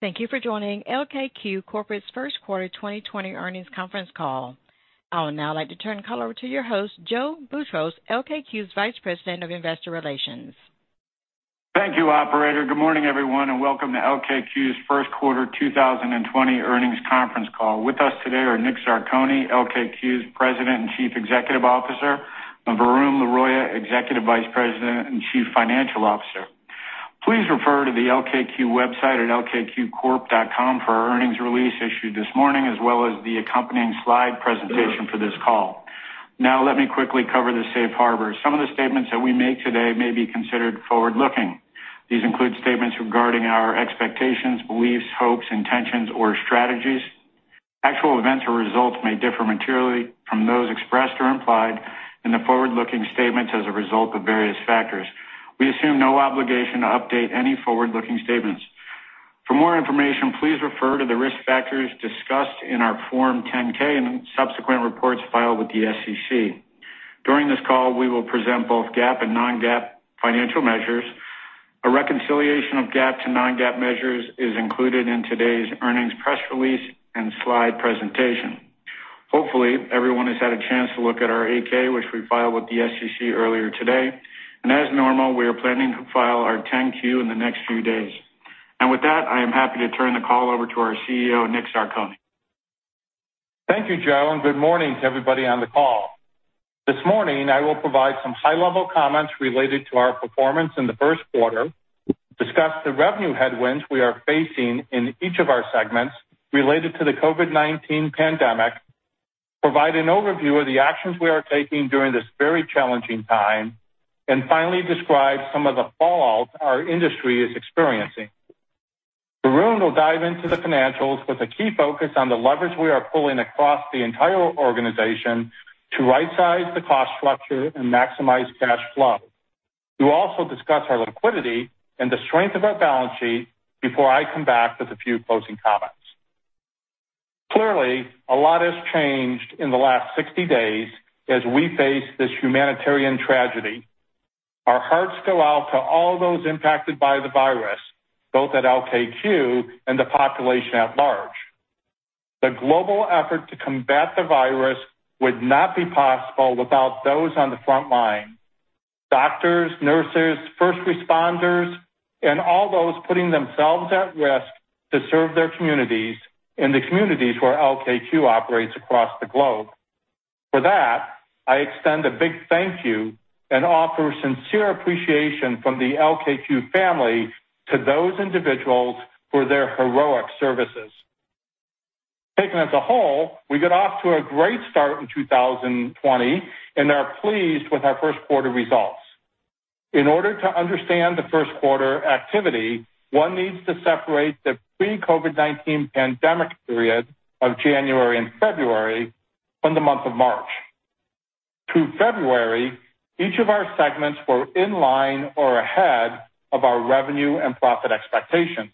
Thank you for joining LKQ Corporation's first quarter 2020 earnings conference call. I would now like to turn the call over to your host, Joe Boutros, LKQ's Vice President of Investor Relations. Thank you, operator. Good morning, everyone, and welcome to LKQ's first quarter 2020 earnings conference call. With us today are Nick Zarcone, LKQ's President and Chief Executive Officer, and Varun Laroyia, Executive Vice President and Chief Financial Officer. Please refer to the lkqcorp.com website at lkqcorp.com for our earnings release issued this morning, as well as the accompanying slide presentation for this call. Now let me quickly cover the safe harbor. Some of the statements that we make today may be considered forward-looking. These include statements regarding our expectations, beliefs, hopes, intentions, or strategies. Actual events or results may differ materially from those expressed or implied in the forward-looking statements as a result of various factors. We assume no obligation to update any forward-looking statements. For more information, please refer to the risk factors discussed in our Form 10-K and subsequent reports filed with the SEC. During this call, we will present both GAAP and non-GAAP financial measures. A reconciliation of GAAP to non-GAAP measures is included in today's earnings press release and slide presentation. Hopefully, everyone has had a chance to look at our 8-K, which we filed with the SEC earlier today. As normal, we are planning to file our 10-Q in the next few days. With that, I am happy to turn the call over to our CEO, Nick Zarcone. Thank you, Joe, and good morning to everybody on the call. This morning, I will provide some high-level comments related to our performance in the first quarter, discuss the revenue headwinds we are facing in each of our segments related to the COVID-19 pandemic, provide an overview of the actions we are taking during this very challenging time, Finally, describe some of the fallout our industry is experiencing. Varun will dive into the financials with a key focus on the leverage we are pulling across the entire organization to right-size the cost structure and maximize cash flow. We'll also discuss our liquidity and the strength of our balance sheet before I come back with a few closing comments. Clearly, a lot has changed in the last 60 days as we face this humanitarian tragedy. Our hearts go out to all those impacted by the virus, both at LKQ and the population at large. The global effort to combat the virus would not be possible without those on the front line: doctors, nurses, first responders, and all those putting themselves at risk to serve their communities and the communities where LKQ operates across the globe. For that, I extend a big thank you and offer sincere appreciation from the LKQ family to those individuals for their heroic services. Taken as a whole, we got off to a great start in 2020 and are pleased with our first quarter results. In order to understand the first quarter activity, one needs to separate the pre-COVID-19 pandemic period of January and February from the month of March. Through February, each of our segments were in line or ahead of our revenue and profit expectations.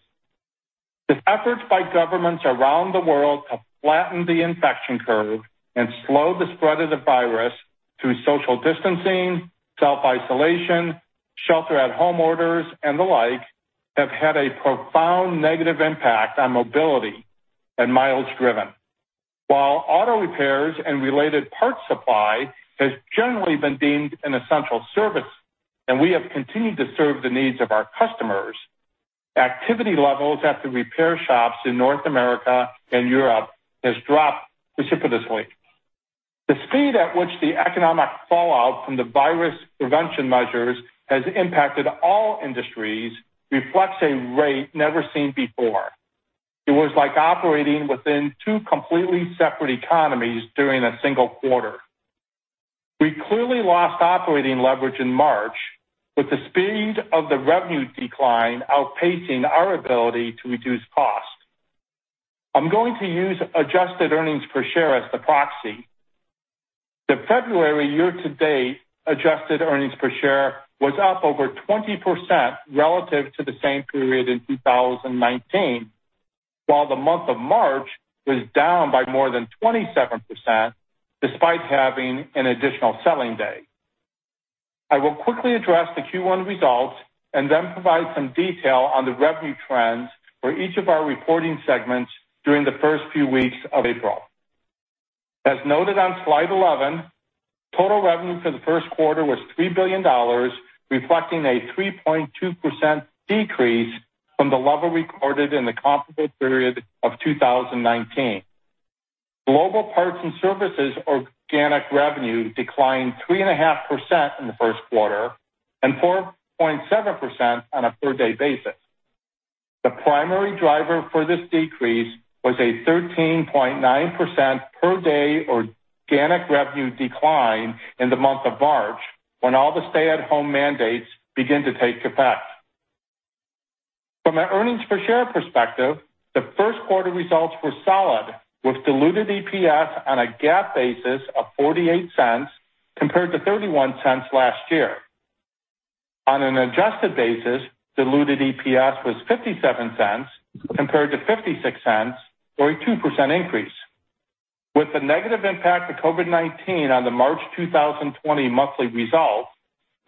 The efforts by governments around the world to flatten the infection curve and slow the spread of the virus through social distancing, self-isolation, shelter at home orders, and the like have had a profound negative impact on mobility and miles driven. While auto repairs and related parts supply has generally been deemed an essential service, and we have continued to serve the needs of our customers, activity levels at the repair shops in North America and Europe has dropped precipitously. The speed at which the economic fallout from the virus prevention measures has impacted all industries reflects a rate never seen before. It was like operating within two completely separate economies during a single quarter. We clearly lost operating leverage in March with the speed of the revenue decline outpacing our ability to reduce cost. I'm going to use adjusted earnings per share as the proxy. The February year-to-date adjusted earnings per share was up over 20% relative to the same period in 2019, while the month of March was down by more than 27%, despite having an additional selling day. I will quickly address the Q1 results and then provide some detail on the revenue trends for each of our reporting segments during the first few weeks of April. As noted on slide 11, total revenue for the first quarter was $3 billion, reflecting a 3.2% decrease from the level recorded in the comparable period of 2019. Global parts and services organic revenue declined 3.5% in the first quarter and 4.7% on a third-day basis. The primary driver for this decrease was a 13.9% per-day organic revenue decline in the month of March, when all the stay-at-home mandates began to take effect. From an earnings-per-share perspective, the first quarter results were solid, with diluted EPS on a GAAP basis of $0.48 compared to $0.31 last year. On an adjusted basis, diluted EPS was $0.57 compared to $0.56, or a 2% increase. With the negative impact of COVID-19 on the March 2020 monthly results,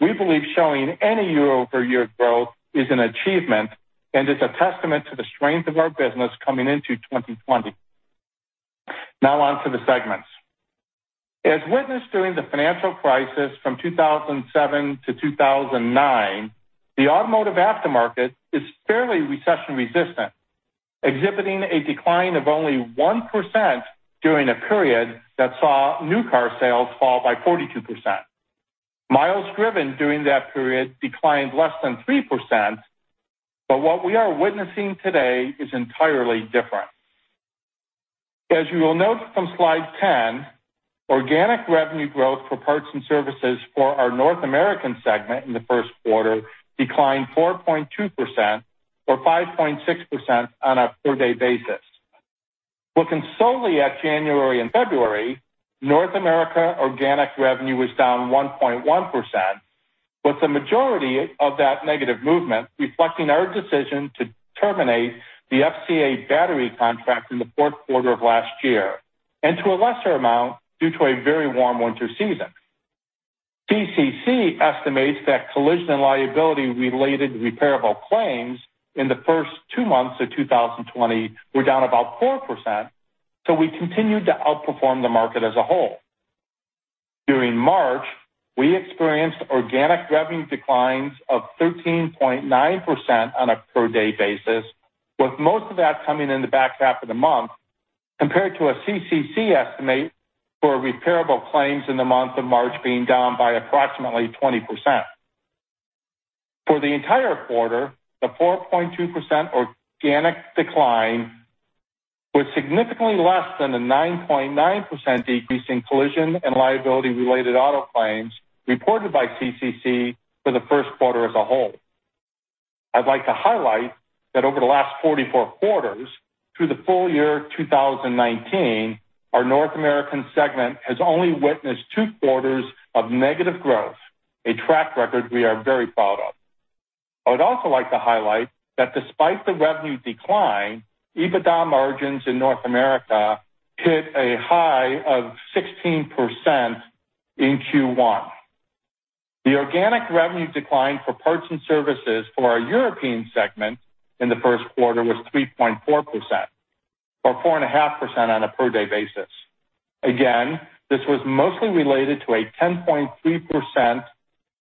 we believe showing any year-over-year growth is an achievement and is a testament to the strength of our business coming into 2020. Now on to the segments. As witnessed during the financial crisis from 2007 to 2009, the automotive aftermarket is fairly recession-resistant, exhibiting a decline of only 1% during a period that saw new car sales fall by 42%. Miles driven during that period declined less than 3%, but what we are witnessing today is entirely different. As you will note from slide 10, organic revenue growth for parts and services for our North American segment in the first quarter declined 4.2%, or 5.6% on a per-day basis. Looking solely at January and February, North America organic revenue was down 1.1%, with the majority of that negative movement reflecting our decision to terminate the FCA battery contract in the fourth quarter of last year, and to a lesser amount, due to a very warm winter season. CCC estimates that collision and liability-related repairable claims in the first two months of 2020 were down about 4%. We continued to outperform the market as a whole. During March, we experienced organic revenue declines of 13.9% on a per-day basis, with most of that coming in the back half of the month, compared to a CCC estimate for repairable claims in the month of March being down by approximately 20%. For the entire quarter, the 4.2% organic decline was significantly less than the 9.9% decrease in collision and liability-related auto claims reported by CCC for the first quarter as a whole. I'd like to highlight that over the last 44 quarters, through the full year 2019, our North American segment has only witnessed two quarters of negative growth, a track record we are very proud of. I would also like to highlight that despite the revenue decline, EBITDA margins in North America hit a high of 16% in Q1. The organic revenue decline for parts and services for our European segment in the first quarter was 3.4%, or 4.5% on a per-day basis. This was mostly related to a 10.3%,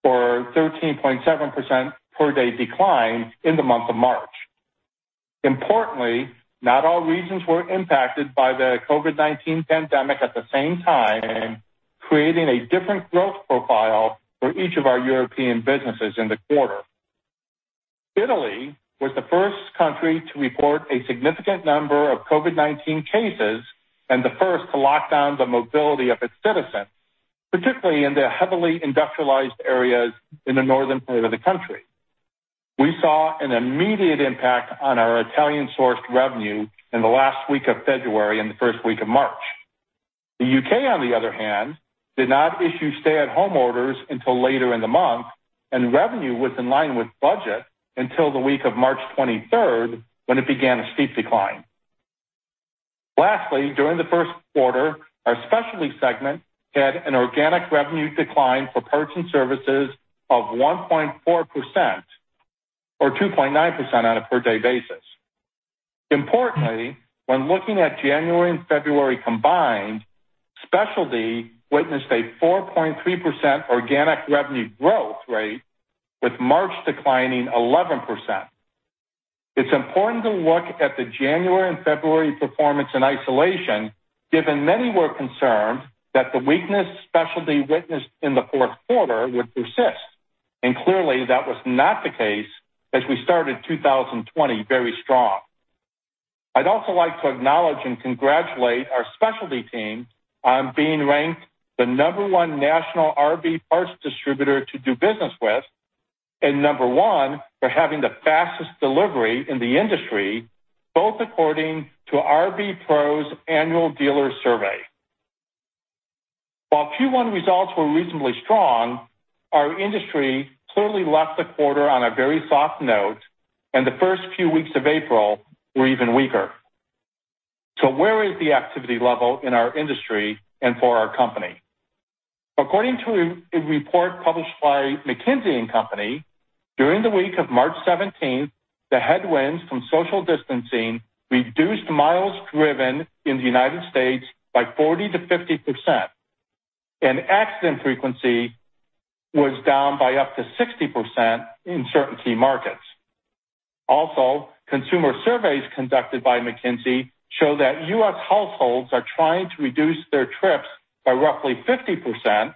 or 13.7% per-day decline in the month of March. Importantly, not all regions were impacted by the COVID-19 pandemic at the same time, creating a different growth profile for each of our European businesses in the quarter. Italy was the first country to report a significant number of COVID-19 cases and the first to lock down the mobility of its citizens, particularly in the heavily industrialized areas in the northern part of the country. We saw an immediate impact on our Italian-sourced revenue in the last week of February and the first week of March. The U.K., on the other hand, did not issue stay-at-home orders until later in the month, and revenue was in line with budget until the week of March 23rd, when it began a steep decline. Lastly, during the first quarter, our specialty segment had an organic revenue decline for parts and services of 1.4%, or 2.9% on a per-day basis. Importantly, when looking at January and February combined, specialty witnessed a 4.3% organic revenue growth rate, with March declining 11%. It's important to look at the January and February performance in isolation, given many were concerned that the weakness specialty witnessed in the fourth quarter would persist. Clearly, that was not the case as we started 2020 very strong. I'd also like to acknowledge and congratulate our specialty team on being ranked the number one national RV parts distributor to do business with and number one for having the fastest delivery in the industry, both according to RV Pro's annual dealer survey. While Q1 results were reasonably strong, our industry clearly left the quarter on a very soft note, and the first few weeks of April were even weaker. Where is the activity level in our industry and for our company? According to a report published by McKinsey & Company, during the week of March 17th, the headwinds from social distancing reduced miles driven in the United States by 40%-50%, and accident frequency was down by up to 60% in certain key markets. Also, consumer surveys conducted by McKinsey show that U.S. households are trying to reduce their trips by roughly 50%,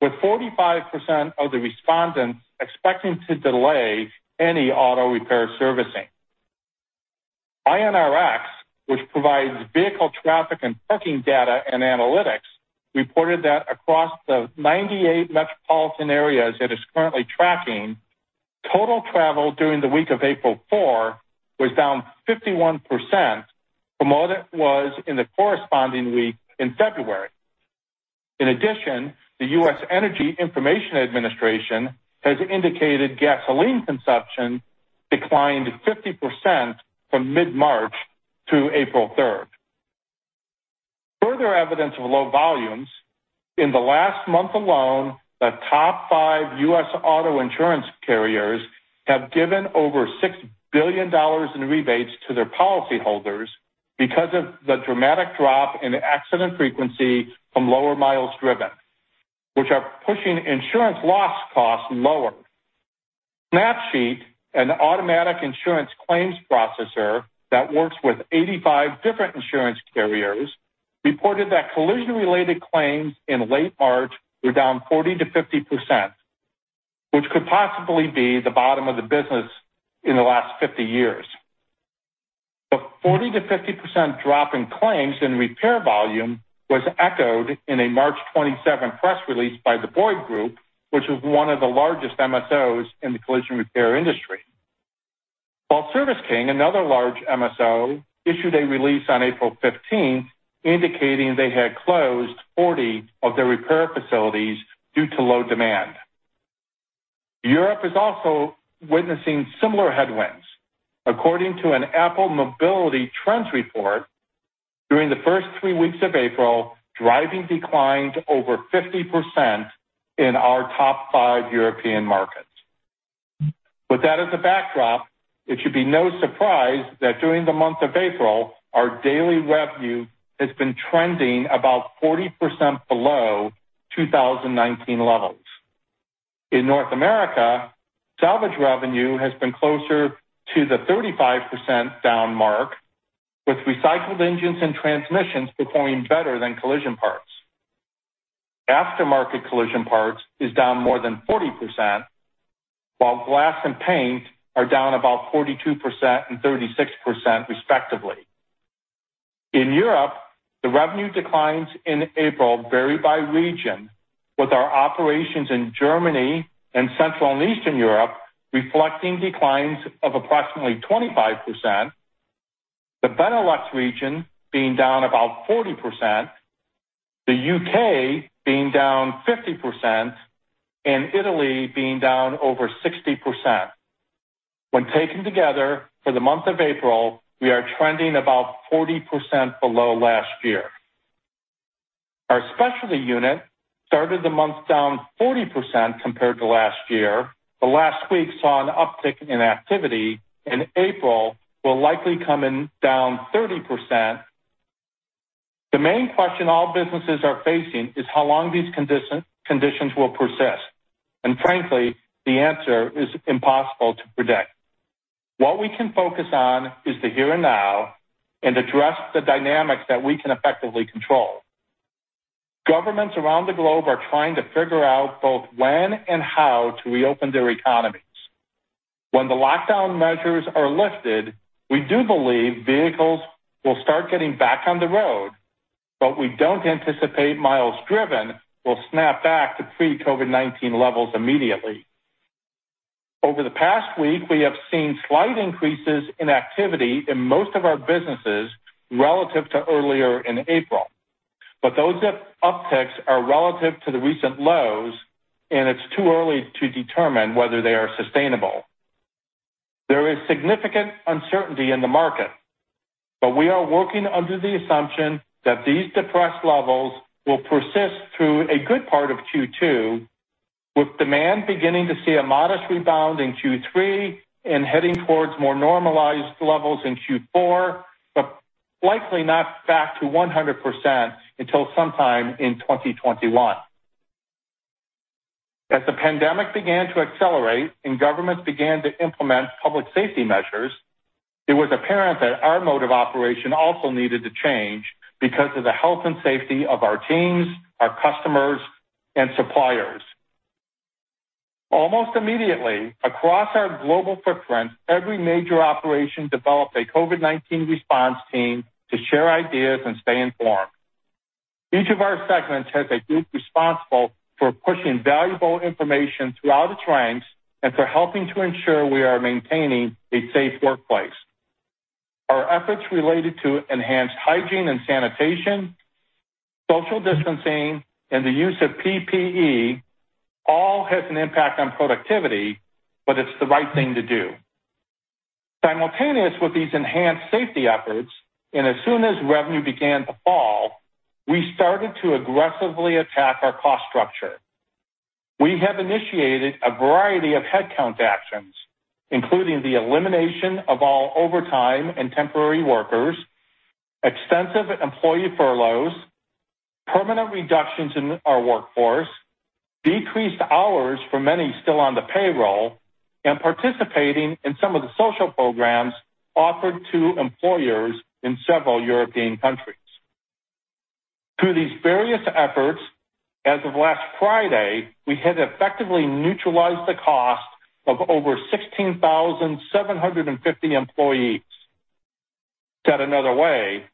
with 45% of the respondents expecting to delay any auto repair servicing. INRIX, which provides vehicle traffic and parking data and analytics, reported that across the 98 metropolitan areas it is currently tracking, total travel during the week of April 4 was down 51% from what it was in the corresponding week in February. The U.S. Energy Information Administration has indicated gasoline consumption declined 50% from mid-March to April 3rd. Further evidence of low volumes, in the last month alone, the top five U.S. auto insurance carriers have given over $6 billion in rebates to their policyholders because of the dramatic drop in accident frequency from lower miles driven, which are pushing insurance loss costs lower. Snapsheet, an automatic insurance claims processor that works with 85 different insurance carriers, reported that collision-related claims in late March were down 40%-50%, which could possibly be the bottom of the business in the last 50 years. The 40%-50% drop in claims and repair volume was echoed in a March 27 press release by the Boyd Group, which is one of the largest MSOs in the collision repair industry. While Service King, another large MSO, issued a release on April 15th indicating they had closed 40 of their repair facilities due to low demand. Europe is also witnessing similar headwinds. According to an Apple mobility trends report, during the first three weeks of April, driving declined over 50% in our top five European markets. With that as a backdrop, it should be no surprise that during the month of April, our daily revenue has been trending about 40% below 2019 levels. In North America, salvage revenue has been closer to the 35% down mark, with recycled engines and transmissions performing better than collision parts. Aftermarket collision parts is down more than 40%, while glass and paint are down about 42% and 36%, respectively. In Europe, the revenue declines in April vary by region, with our operations in Germany and Central and Eastern Europe reflecting declines of approximately 25%, the Benelux region being down about 40%, the UK being down 50%, and Italy being down over 60%. When taken together, for the month of April, we are trending about 40% below last year. Our specialty unit started the month down 40% compared to last year, last week saw an uptick in activity, and April will likely come in down 30%. The main question all businesses are facing is how long these conditions will persist, frankly, the answer is impossible to predict. What we can focus on is the here and now and address the dynamics that we can effectively control. Governments around the globe are trying to figure out both when and how to reopen their economies. When the lockdown measures are lifted, we do believe vehicles will start getting back on the road, but we don't anticipate miles driven will snap back to pre-COVID-19 levels immediately. Over the past week, we have seen slight increases in activity in most of our businesses relative to earlier in April. Those upticks are relative to the recent lows, and it's too early to determine whether they are sustainable. There is significant uncertainty in the market, but we are working under the assumption that these depressed levels will persist through a good part of Q2, with demand beginning to see a modest rebound in Q3 and heading towards more normalized levels in Q4, but likely not back to 100% until sometime in 2021. As the pandemic began to accelerate and governments began to implement public safety measures, it was apparent that our mode of operation also needed to change because of the health and safety of our teams, our customers, and suppliers. Almost immediately, across our global footprint, every major operation developed a COVID-19 response team to share ideas and stay informed. Each of our segments has a group responsible for pushing valuable information throughout its ranks and for helping to ensure we are maintaining a safe workplace. Our efforts related to enhanced hygiene and sanitation, social distancing, and the use of PPE all has an impact on productivity, but it's the right thing to do. Simultaneous with these enhanced safety efforts, and as soon as revenue began to fall, we started to aggressively attack our cost structure. We have initiated a variety of headcount actions, including the elimination of all overtime and temporary workers, extensive employee furloughs, permanent reductions in our workforce, decreased hours for many still on the payroll, and participating in some of the social programs offered to employers in several European countries. Through these various efforts, as of last Friday, we had effectively neutralized the cost of over 16,750 employees. Said another way,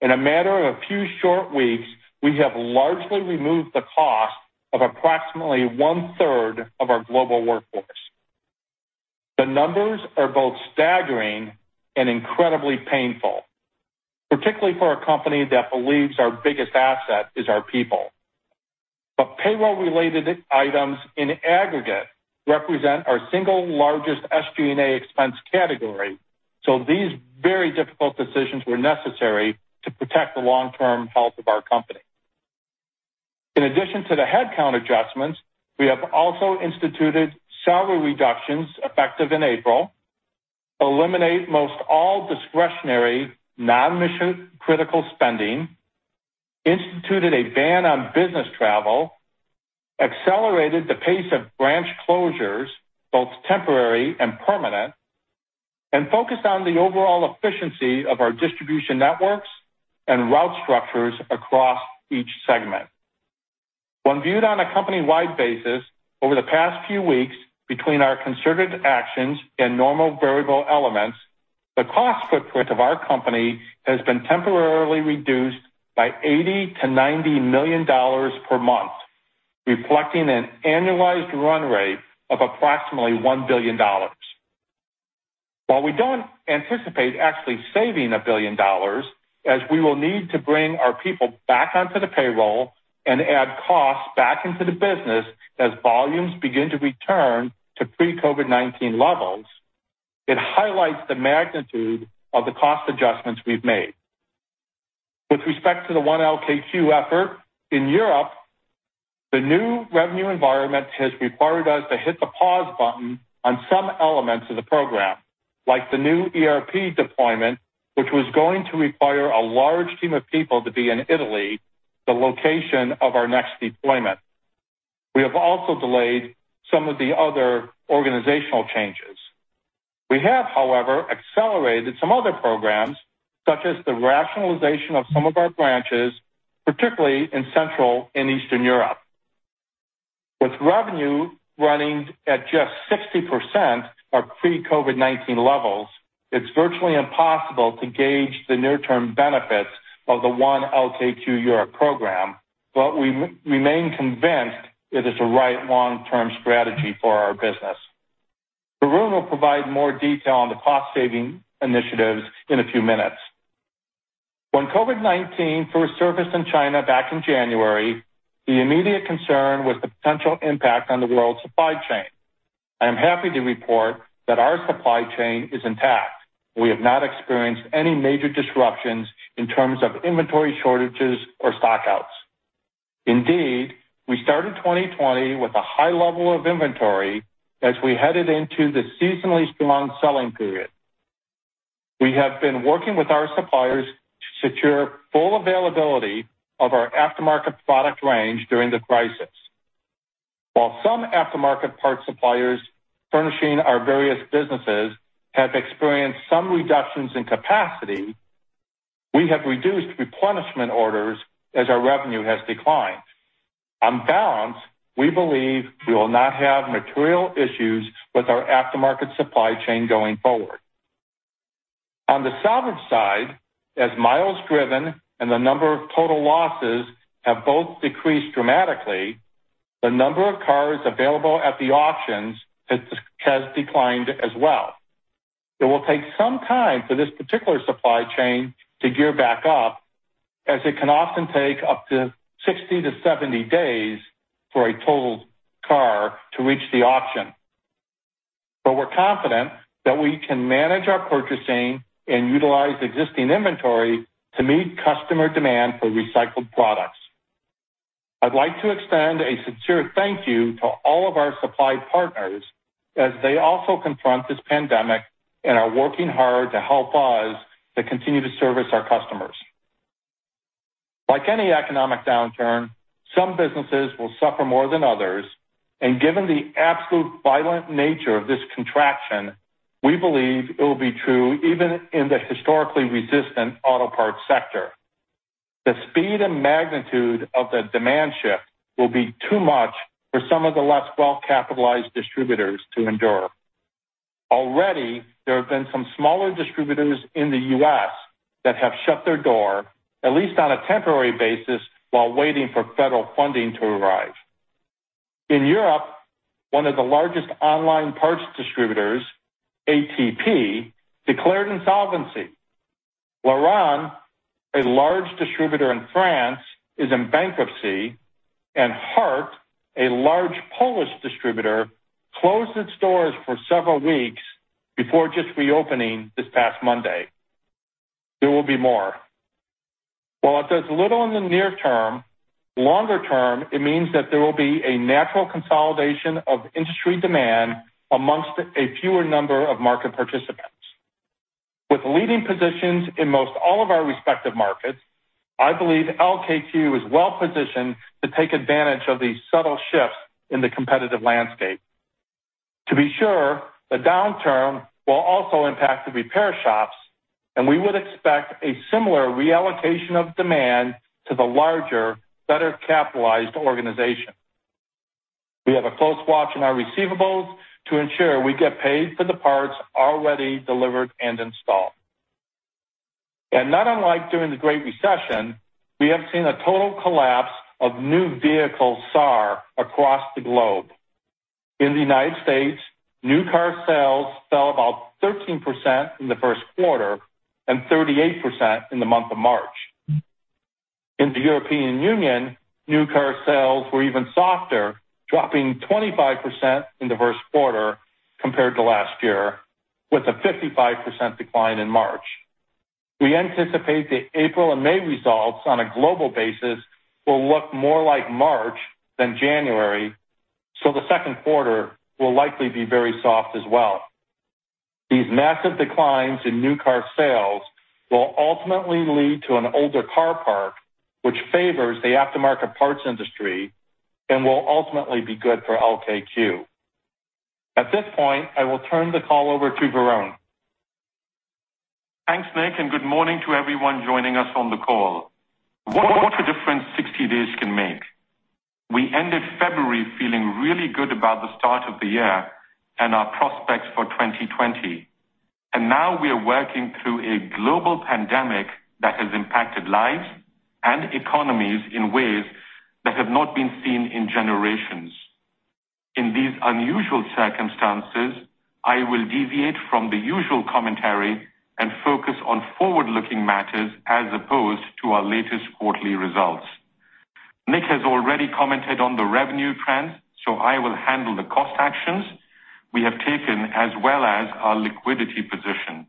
in a matter of a few short weeks, we have largely removed the cost of approximately one-third of our global workforce. The numbers are both staggering and incredibly painful, particularly for a company that believes our biggest asset is our people. Payroll-related items in aggregate represent our single largest SG&A expense category, so these very difficult decisions were necessary to protect the long-term health of our company. In addition to the headcount adjustments, we have also instituted salary reductions effective in April, eliminate most all discretionary, non-mission critical spending, instituted a ban on business travel, accelerated the pace of branch closures, both temporary and permanent, and focused on the overall efficiency of our distribution networks and route structures across each segment. When viewed on a company-wide basis, over the past few weeks, between our concerted actions and normal variable elements, the cost footprint of our company has been temporarily reduced by $80 million-$90 million per month, reflecting an annualized run rate of approximately $1 billion. While we don't anticipate actually saving $1 billion, as we will need to bring our people back onto the payroll and add costs back into the business as volumes begin to return to pre-COVID-19 levels, it highlights the magnitude of the cost adjustments we've made. With respect to the One LKQ effort in Europe, the new revenue environment has required us to hit the pause button on some elements of the program, like the new ERP deployment, which was going to require a large team of people to be in Italy, the location of our next deployment. We have also delayed some of the other organizational changes. We have, however, accelerated some other programs, such as the rationalization of some of our branches, particularly in Central and Eastern Europe. With revenue running at just 60% of pre-COVID-19 levels, it's virtually impossible to gauge the near-term benefits of the One LKQ Europe program, but we remain convinced it is a right long-term strategy for our business. Varun will provide more detail on the cost-saving initiatives in a few minutes. When COVID-19 first surfaced in China back in January, the immediate concern was the potential impact on the world supply chain. I am happy to report that our supply chain is intact. We have not experienced any major disruptions in terms of inventory shortages or stockouts. Indeed, we started 2020 with a high level of inventory as we headed into the seasonally strong selling period. We have been working with our suppliers to secure full availability of our aftermarket product range during the crisis. While some aftermarket parts suppliers furnishing our various businesses have experienced some reductions in capacity, we have reduced replenishment orders as our revenue has declined. On balance, we believe we will not have material issues with our aftermarket supply chain going forward. On the salvage side, as miles driven and the number of total losses have both decreased dramatically, the number of cars available at the auctions has declined as well. It will take some time for this particular supply chain to gear back up, as it can often take up to 60 to 70 days for a totaled car to reach the auction. We're confident that we can manage our purchasing and utilize existing inventory to meet customer demand for recycled products. I'd like to extend a sincere thank you to all of our supply partners as they also confront this pandemic and are working hard to help us to continue to service our customers. Like any economic downturn, some businesses will suffer more than others, and given the absolute violent nature of this contraction, we believe it will be true even in the historically resistant auto parts sector. The speed and magnitude of the demand shift will be too much for some of the less well-capitalized distributors to endure. Already, there have been some smaller distributors in the U.S. that have shut their door, at least on a temporary basis, while waiting for federal funding to arrive. In Europe, one of the largest online parts distributors, ATP, declared insolvency. Laurent, a large distributor in France, is in bankruptcy, and Hart, a large Polish distributor, closed its doors for several weeks before just reopening this past Monday. There will be more. While it does little in the near term, longer term, it means that there will be a natural consolidation of industry demand amongst a fewer number of market participants. With leading positions in most all of our respective markets, I believe LKQ is well-positioned to take advantage of these subtle shifts in the competitive landscape. To be sure, the downturn will also impact the repair shops, and we would expect a similar reallocation of demand to the larger, better capitalized organizations. We have a close watch on our receivables to ensure we get paid for the parts already delivered and installed. Not unlike during the Great Recession, we have seen a total collapse of new vehicle SAAR across the globe. In the U.S., new car sales fell about 13% in the first quarter, and 38% in the month of March. In the European Union, new car sales were even softer, dropping 25% in the first quarter compared to last year, with a 55% decline in March. We anticipate the April and May results on a global basis will look more like March than January, so the second quarter will likely be very soft as well. These massive declines in new car sales will ultimately lead to an older car park, which favors the aftermarket parts industry and will ultimately be good for LKQ. At this point, I will turn the call over to Varun. Thanks, Nick. Good morning to everyone joining us on the call. What a difference 60 days can make. We ended February feeling really good about the start of the year and our prospects for 2020. Now we are working through a global pandemic that has impacted lives and economies in ways that have not been seen in generations. In these unusual circumstances, I will deviate from the usual commentary and focus on forward-looking matters as opposed to our latest quarterly results. Nick has already commented on the revenue trends. I will handle the cost actions we have taken, as well as our liquidity position.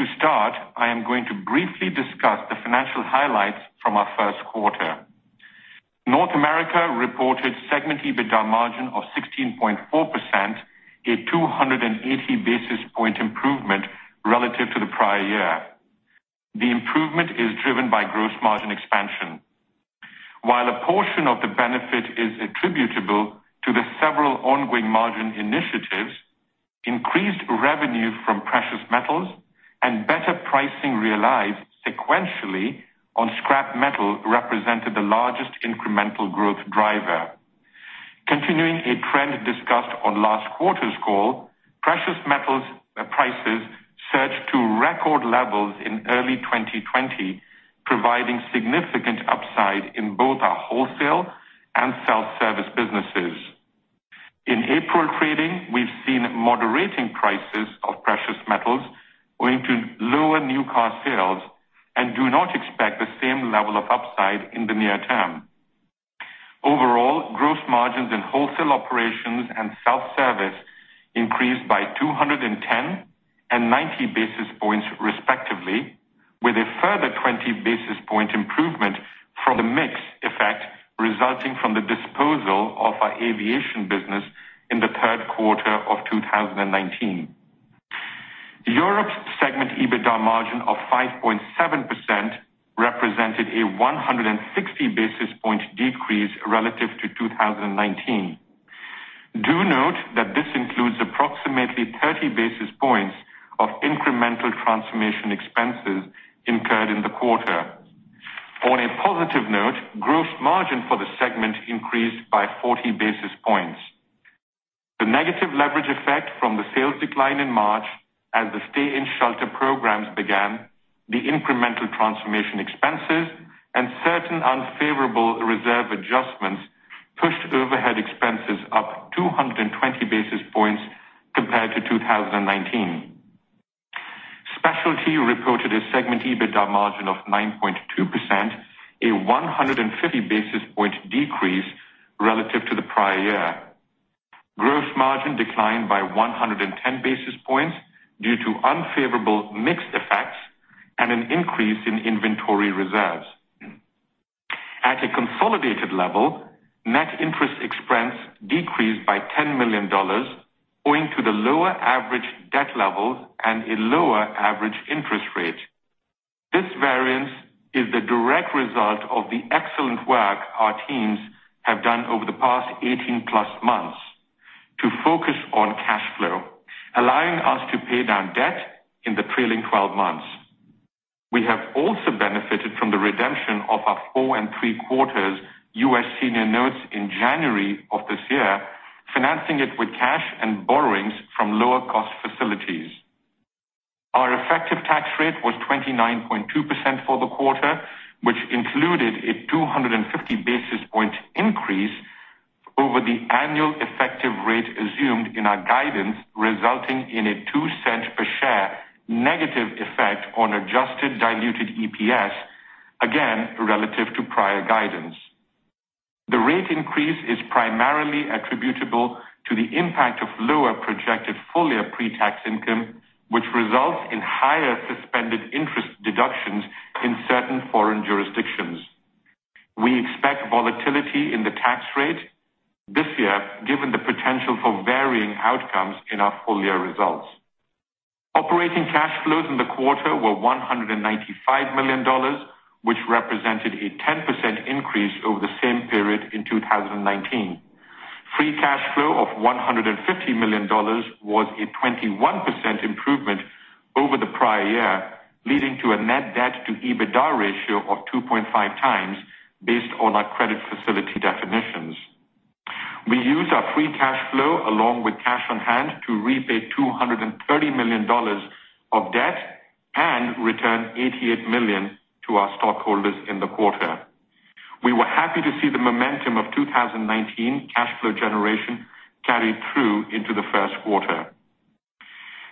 To start, I am going to briefly discuss the financial highlights from our first quarter. North America reported segment EBITDA margin of 16.4%, a 280 basis point improvement relative to the prior year. The improvement is driven by gross margin expansion. While a portion of the benefit is attributable to the several ongoing margin initiatives, increased revenue from precious metals and better pricing realized sequentially on scrap metal represented the largest incremental growth driver. Continuing a trend discussed on last quarter's call, precious metals prices surged to record levels in early 2020, providing significant upside in both our wholesale and self-service businesses. In April trading, we've seen moderating prices of precious metals owing to lower new car sales and do not expect the same level of upside in the near term. Overall, gross margins in wholesale operations and self-service increased by 210 and 90 basis points respectively, with a further 20 basis point improvement from the mix effect resulting from the disposal of our aviation business in the third quarter of 2019. Europe segment EBITDA margin of 5.7% represented a 160 basis point decrease relative to 2019. Do note that this includes approximately 30 basis points of incremental transformation expenses incurred in the quarter. On a positive note, gross margin for the segment increased by 40 basis points. The negative leverage effect from the sales decline in March as the stay-in shelter programs began the incremental transformation expenses and certain unfavorable reserve adjustments pushed overhead expenses up 220 basis points compared to 2019. Specialty reported a segment EBITDA margin of 9.2%, a 150 basis point decrease relative to the prior year. Gross margin declined by 110 basis points due to unfavorable mix effects and an increase in inventory reserves. At a consolidated level, net interest expense decreased by $10 million owing to the lower average debt level and a lower average interest rate. This variance is the direct result of the excellent work our teams have done over the past 18-plus months to focus on cash flow, allowing us to pay down debt in the trailing 12 months. We have also benefited from the redemption of our 4.75% US senior notes in January of this year, financing it with cash and borrowings from lower-cost facilities. Our effective tax rate was 29.2% for the quarter, which included a 250 basis points increase over the annual effective rate assumed in our guidance, resulting in a $0.02 per share negative effect on adjusted diluted EPS, again, relative to prior guidance. The rate increase is primarily attributable to the impact of lower projected full-year pre-tax income, which results in higher suspended interest deductions in certain foreign jurisdictions. We expect volatility in the tax rate this year given the potential for varying outcomes in our full-year results. Operating cash flows in the quarter were $195 million, which represented a 10% increase over the same period in 2019. Free cash flow of $150 million was a 21% improvement over the prior year, leading to a net debt to EBITDA ratio of 2.5 times based on our credit. We used our free cash flow along with cash on hand to repay $230 million of debt and return $88 million to our stockholders in the quarter. We were happy to see the momentum of 2019 cash flow generation carried through into the first quarter.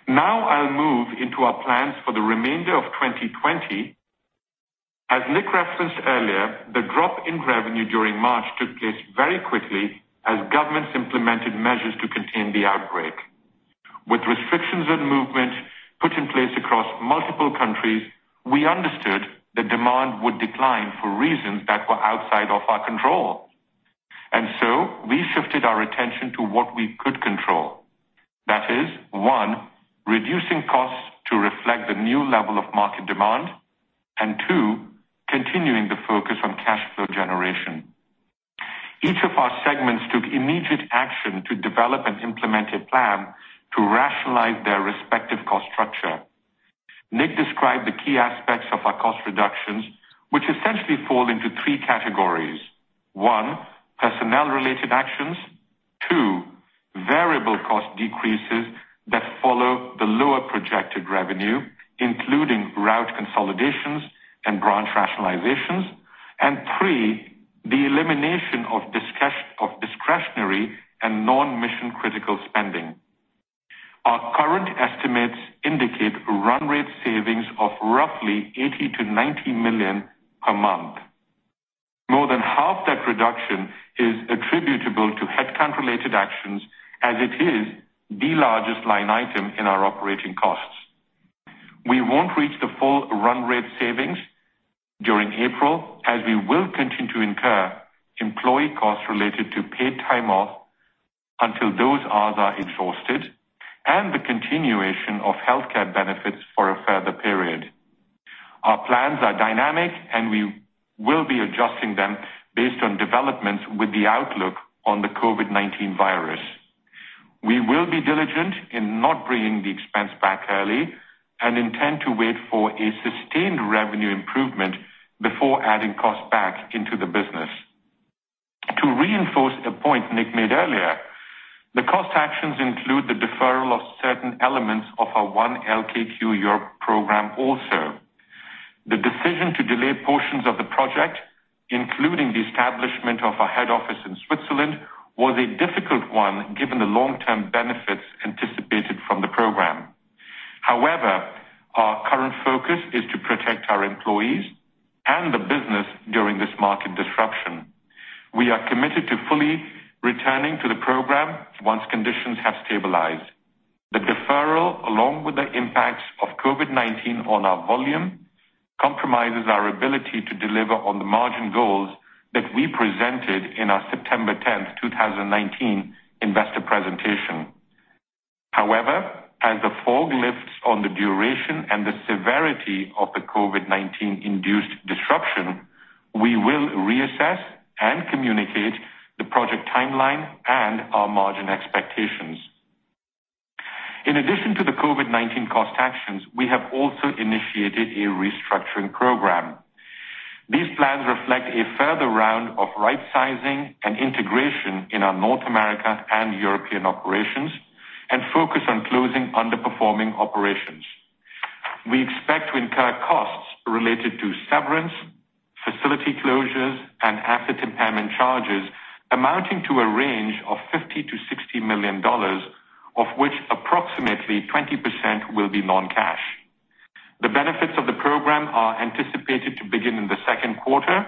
Now I'll move into our plans for the remainder of 2020. As Nick referenced earlier, the drop in revenue during March took place very quickly as governments implemented measures to contain the outbreak. With restrictions on movement put in place across multiple countries, we understood that demand would decline for reasons that were outside of our control. We shifted our attention to what we could control. That is, one, reducing costs to reflect the new level of market demand, and two, continuing the focus on cash flow generation. Each of our segments took immediate action to develop and implement a plan to rationalize their respective cost structure. Nick described the key aspects of our cost reductions, which essentially fall into three categories. One, personnel-related actions. Two, variable cost decreases that follow the lower projected revenue, including route consolidations and branch rationalizations. Three, the elimination of discretionary and non-mission critical spending. Our current estimates indicate run rate savings of roughly $80 million-$90 million per month. More than half that reduction is attributable to headcount-related actions, as it is the largest line item in our operating costs. We won't reach the full run rate savings during April, as we will continue to incur employee costs related to paid time off until those hours are exhausted and the continuation of healthcare benefits for a further period. Our plans are dynamic, and we will be adjusting them based on developments with the outlook on the COVID-19 virus. We will be diligent in not bringing the expense back early and intend to wait for a sustained revenue improvement before adding costs back into the business. To reinforce a point Nick made earlier, the cost actions include the deferral of certain elements of our One LKQ Europe program also. The decision to delay portions of the project, including the establishment of a head office in Switzerland, was a difficult one, given the long-term benefits anticipated from the program. However, our current focus is to protect our employees and the business during this market disruption. We are committed to fully returning to the program once conditions have stabilized. The deferral, along with the impacts of COVID-19 on our volume, compromises our ability to deliver on the margin goals that we presented in our September 10th, 2019 investor presentation. However, as the fog lifts on the duration and the severity of the COVID-19-induced disruption, we will reassess and communicate the project timeline and our margin expectations. In addition to the COVID-19 cost actions, we have also initiated a restructuring program. These plans reflect a further round of right-sizing and integration in our North America and European operations and focus on closing underperforming operations. We expect to incur costs related to severance, facility closures, and asset impairment charges amounting to a range of $50 million-$60 million, of which approximately 20% will be non-cash. The benefits of the program are anticipated to begin in the second quarter,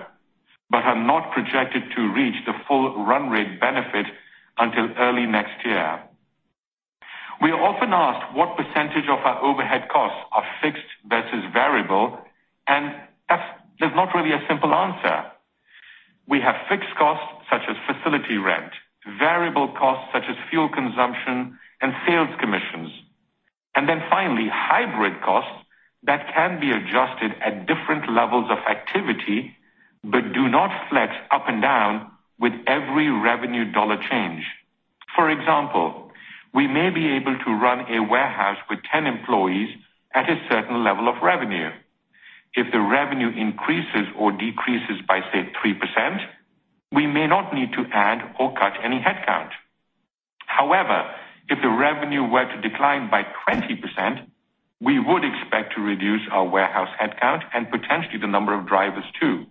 but are not projected to reach the full run rate benefit until early next year. We are often asked what percentage of our overhead costs are fixed versus variable, and there's not really a simple answer. We have fixed costs such as facility rent, variable costs such as fuel consumption and sales commissions, and then finally, hybrid costs that can be adjusted at different levels of activity but do not flex up and down with every revenue dollar change. For example, we may be able to run a warehouse with 10 employees at a certain level of revenue. If the revenue increases or decreases by, say, 3%, we may not need to add or cut any headcount. However, if the revenue were to decline by 20%, we would expect to reduce our warehouse headcount and potentially the number of drivers, too.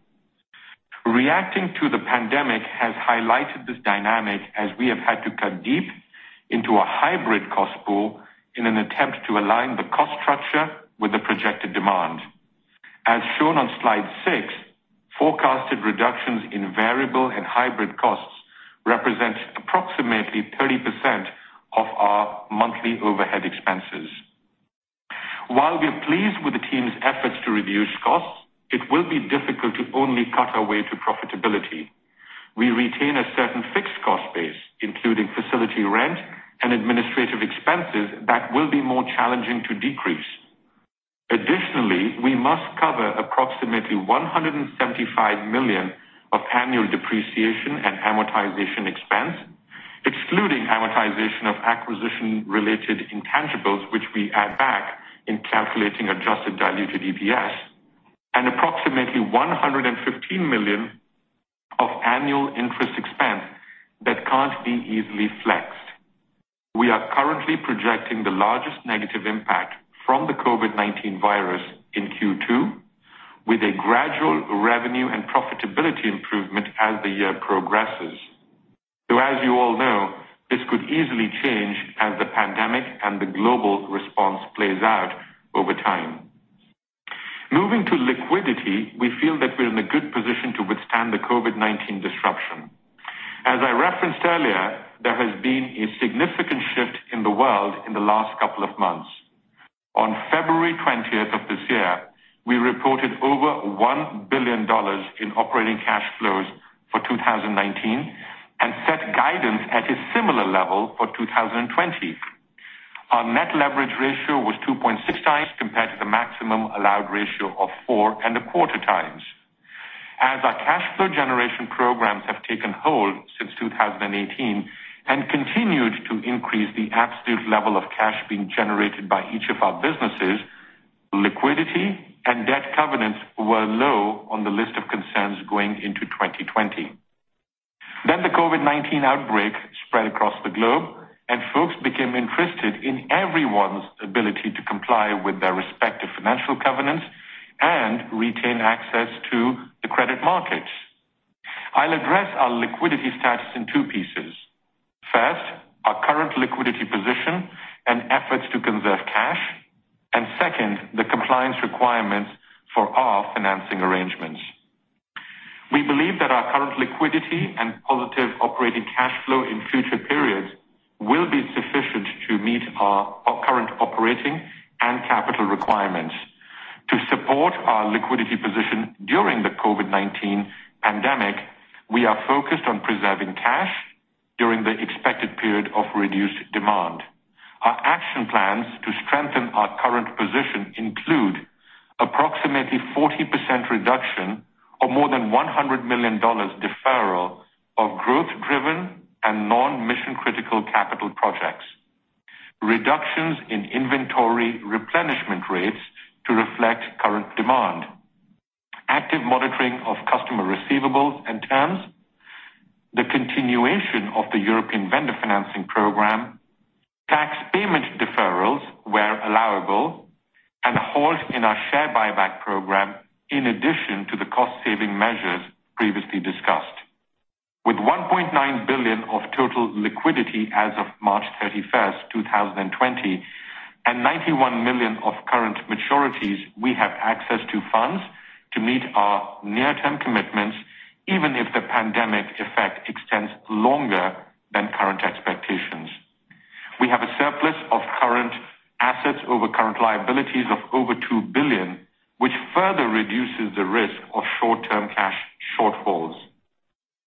Reacting to the pandemic has highlighted this dynamic as we have had to cut deep into a hybrid cost pool in an attempt to align the cost structure with the projected demand. As shown on slide six, forecasted reductions in variable and hybrid costs represent approximately 30% of our monthly overhead expenses. While we are pleased with the team's efforts to reduce costs, it will be difficult to only cut our way to profitability. We retain a certain fixed cost base, including facility rent and administrative expenses that will be more challenging to decrease. Additionally, we must cover approximately $175 million of annual depreciation and amortization expense, excluding amortization of acquisition-related intangibles, which we add back in calculating adjusted diluted EPS. Approximately $115 million of annual interest expense that can't be easily flexed. We are currently projecting the largest negative impact from the COVID-19 virus in Q2, with a gradual revenue and profitability improvement as the year progresses. As you all know, this could easily change as the pandemic and the global response plays out over time. Moving to liquidity, we feel that we're in a good position to withstand the COVID-19 disruption. As I referenced earlier, there has been a significant shift in the world in the last couple of months. On February 20th of this year, we reported over $1 billion in operating cash flows for 2019, and set guidance at a similar level for 2020. Our net leverage ratio was 2.6 times compared to the maximum allowed ratio of four and a quarter times. As our cash flow generation programs have taken hold since 2018, and continued to increase the absolute level of cash being generated by each of our businesses, liquidity and debt covenants were low on the list of concerns going into 2020. The COVID-19 outbreak spread across the globe, and folks became interested in everyone's ability to comply with their respective financial covenants and retain access to the credit markets. I'll address our liquidity status in two pieces. First, our current liquidity position and efforts to conserve cash, and second, the compliance requirements for our financing arrangements. We believe that our current liquidity and positive operating cash flow in future periods will be sufficient to meet our current operating and capital requirements. To support our liquidity position during the COVID-19 pandemic, we are focused on preserving cash during the expected period of reduced demand. Our action plans to strengthen our current position include approximately 40% reduction or more than $100 million deferral of growth driven and non-mission-critical capital projects. Reductions in inventory replenishment rates to reflect current demand. Active monitoring of customer receivables and terms. The continuation of the European Vendor Financing Program. Tax payment deferrals where allowable, and a halt in our share buyback program, in addition to the cost saving measures previously discussed. With $1.9 billion of total liquidity as of March 31st, 2020, and $91 million of current maturities, we have access to funds to meet our near-term commitments, even if the pandemic effect extends longer than current expectations. We have a surplus of current assets over current liabilities of over $2 billion, which further reduces the risk of short-term cash shortfalls.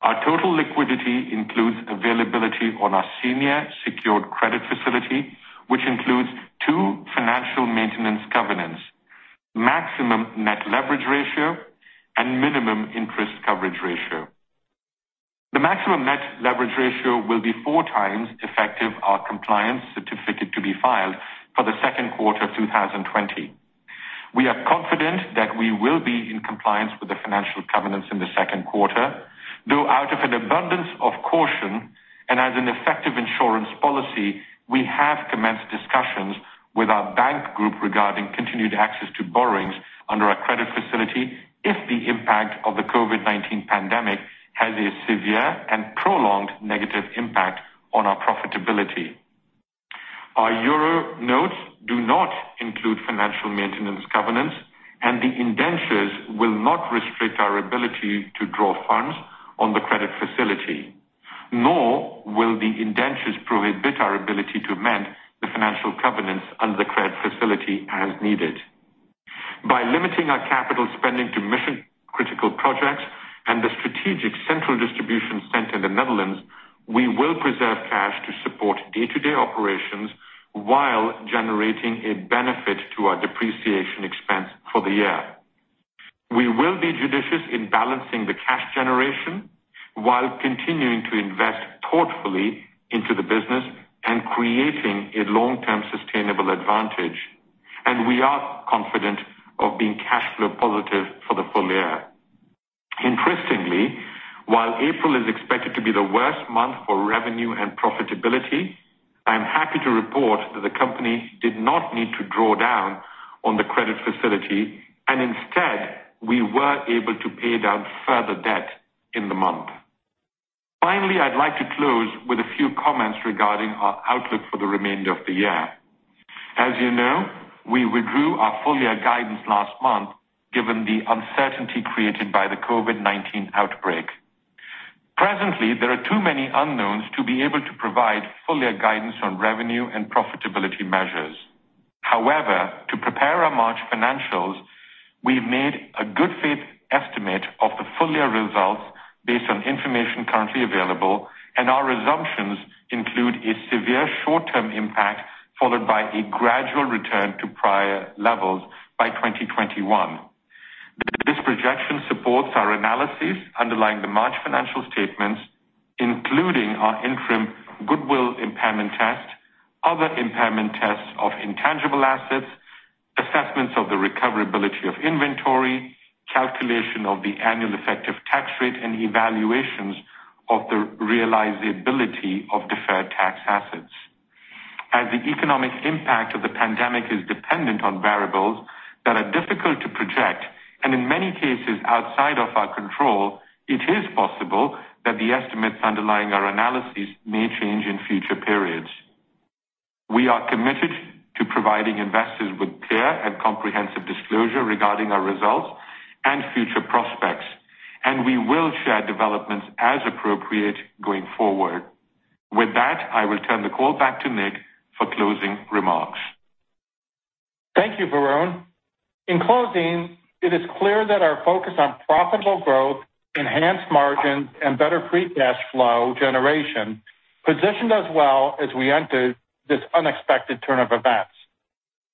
Our total liquidity includes availability on our senior secured credit facility, which includes two financial maintenance covenants, maximum net leverage ratio and minimum interest coverage ratio. The maximum net leverage ratio will be four times effective our compliance certificate to be filed for the second quarter of 2020. We are confident that we will be in compliance with the financial covenants in the second quarter, though out of an abundance of caution, and as an effective insurance policy, we have commenced discussions with our bank group regarding continued access to borrowings under our credit facility if the impact of the COVID-19 pandemic has a severe and prolonged negative impact on our profitability. Our euro notes do not include financial maintenance covenants, and the indentures will not restrict our ability to draw funds on the credit facility, nor will the indentures prohibit our ability to amend the financial covenants under the credit facility as needed. By limiting our capital spending to mission-critical projects and the strategic central distribution center in the Netherlands, we will preserve cash to support day-to-day operations while generating a benefit to our depreciation expense for the year. We will be judicious in balancing the cash generation while continuing to invest thoughtfully into the business and creating a long-term sustainable advantage. We are confident of being cash flow positive for the full year. Interestingly, while April is expected to be the worst month for revenue and profitability, I am happy to report that the company did not need to draw down on the credit facility, and instead, we were able to pay down further debt in the month. Finally, I'd like to close with a few comments regarding our outlook for the remainder of the year. As you know, we withdrew our full-year guidance last month given the uncertainty created by the COVID-19 outbreak. Presently, there are too many unknowns to be able to provide full-year guidance on revenue and profitability measures. However, to prepare our March financials, we've made a good faith estimate of the full-year results based on information currently available, and our assumptions include a severe short-term impact followed by a gradual return to prior levels by 2021. Supports our analysis underlying the March financial statements, including our interim goodwill impairment test, other impairment tests of intangible assets, assessments of the recoverability of inventory, calculation of the annual effective tax rate, and evaluations of the realizability of deferred tax assets. As the economic impact of the pandemic is dependent on variables that are difficult to project, and in many cases, outside of our control, it is possible that the estimates underlying our analyses may change in future periods. We are committed to providing investors with clear and comprehensive disclosure regarding our results and future prospects, and we will share developments as appropriate going forward. With that, I will turn the call back to Nick for closing remarks. Thank you, Varun. In closing, it is clear that our focus on profitable growth, enhanced margins, and better free cash flow generation positioned us well as we enter this unexpected turn of events.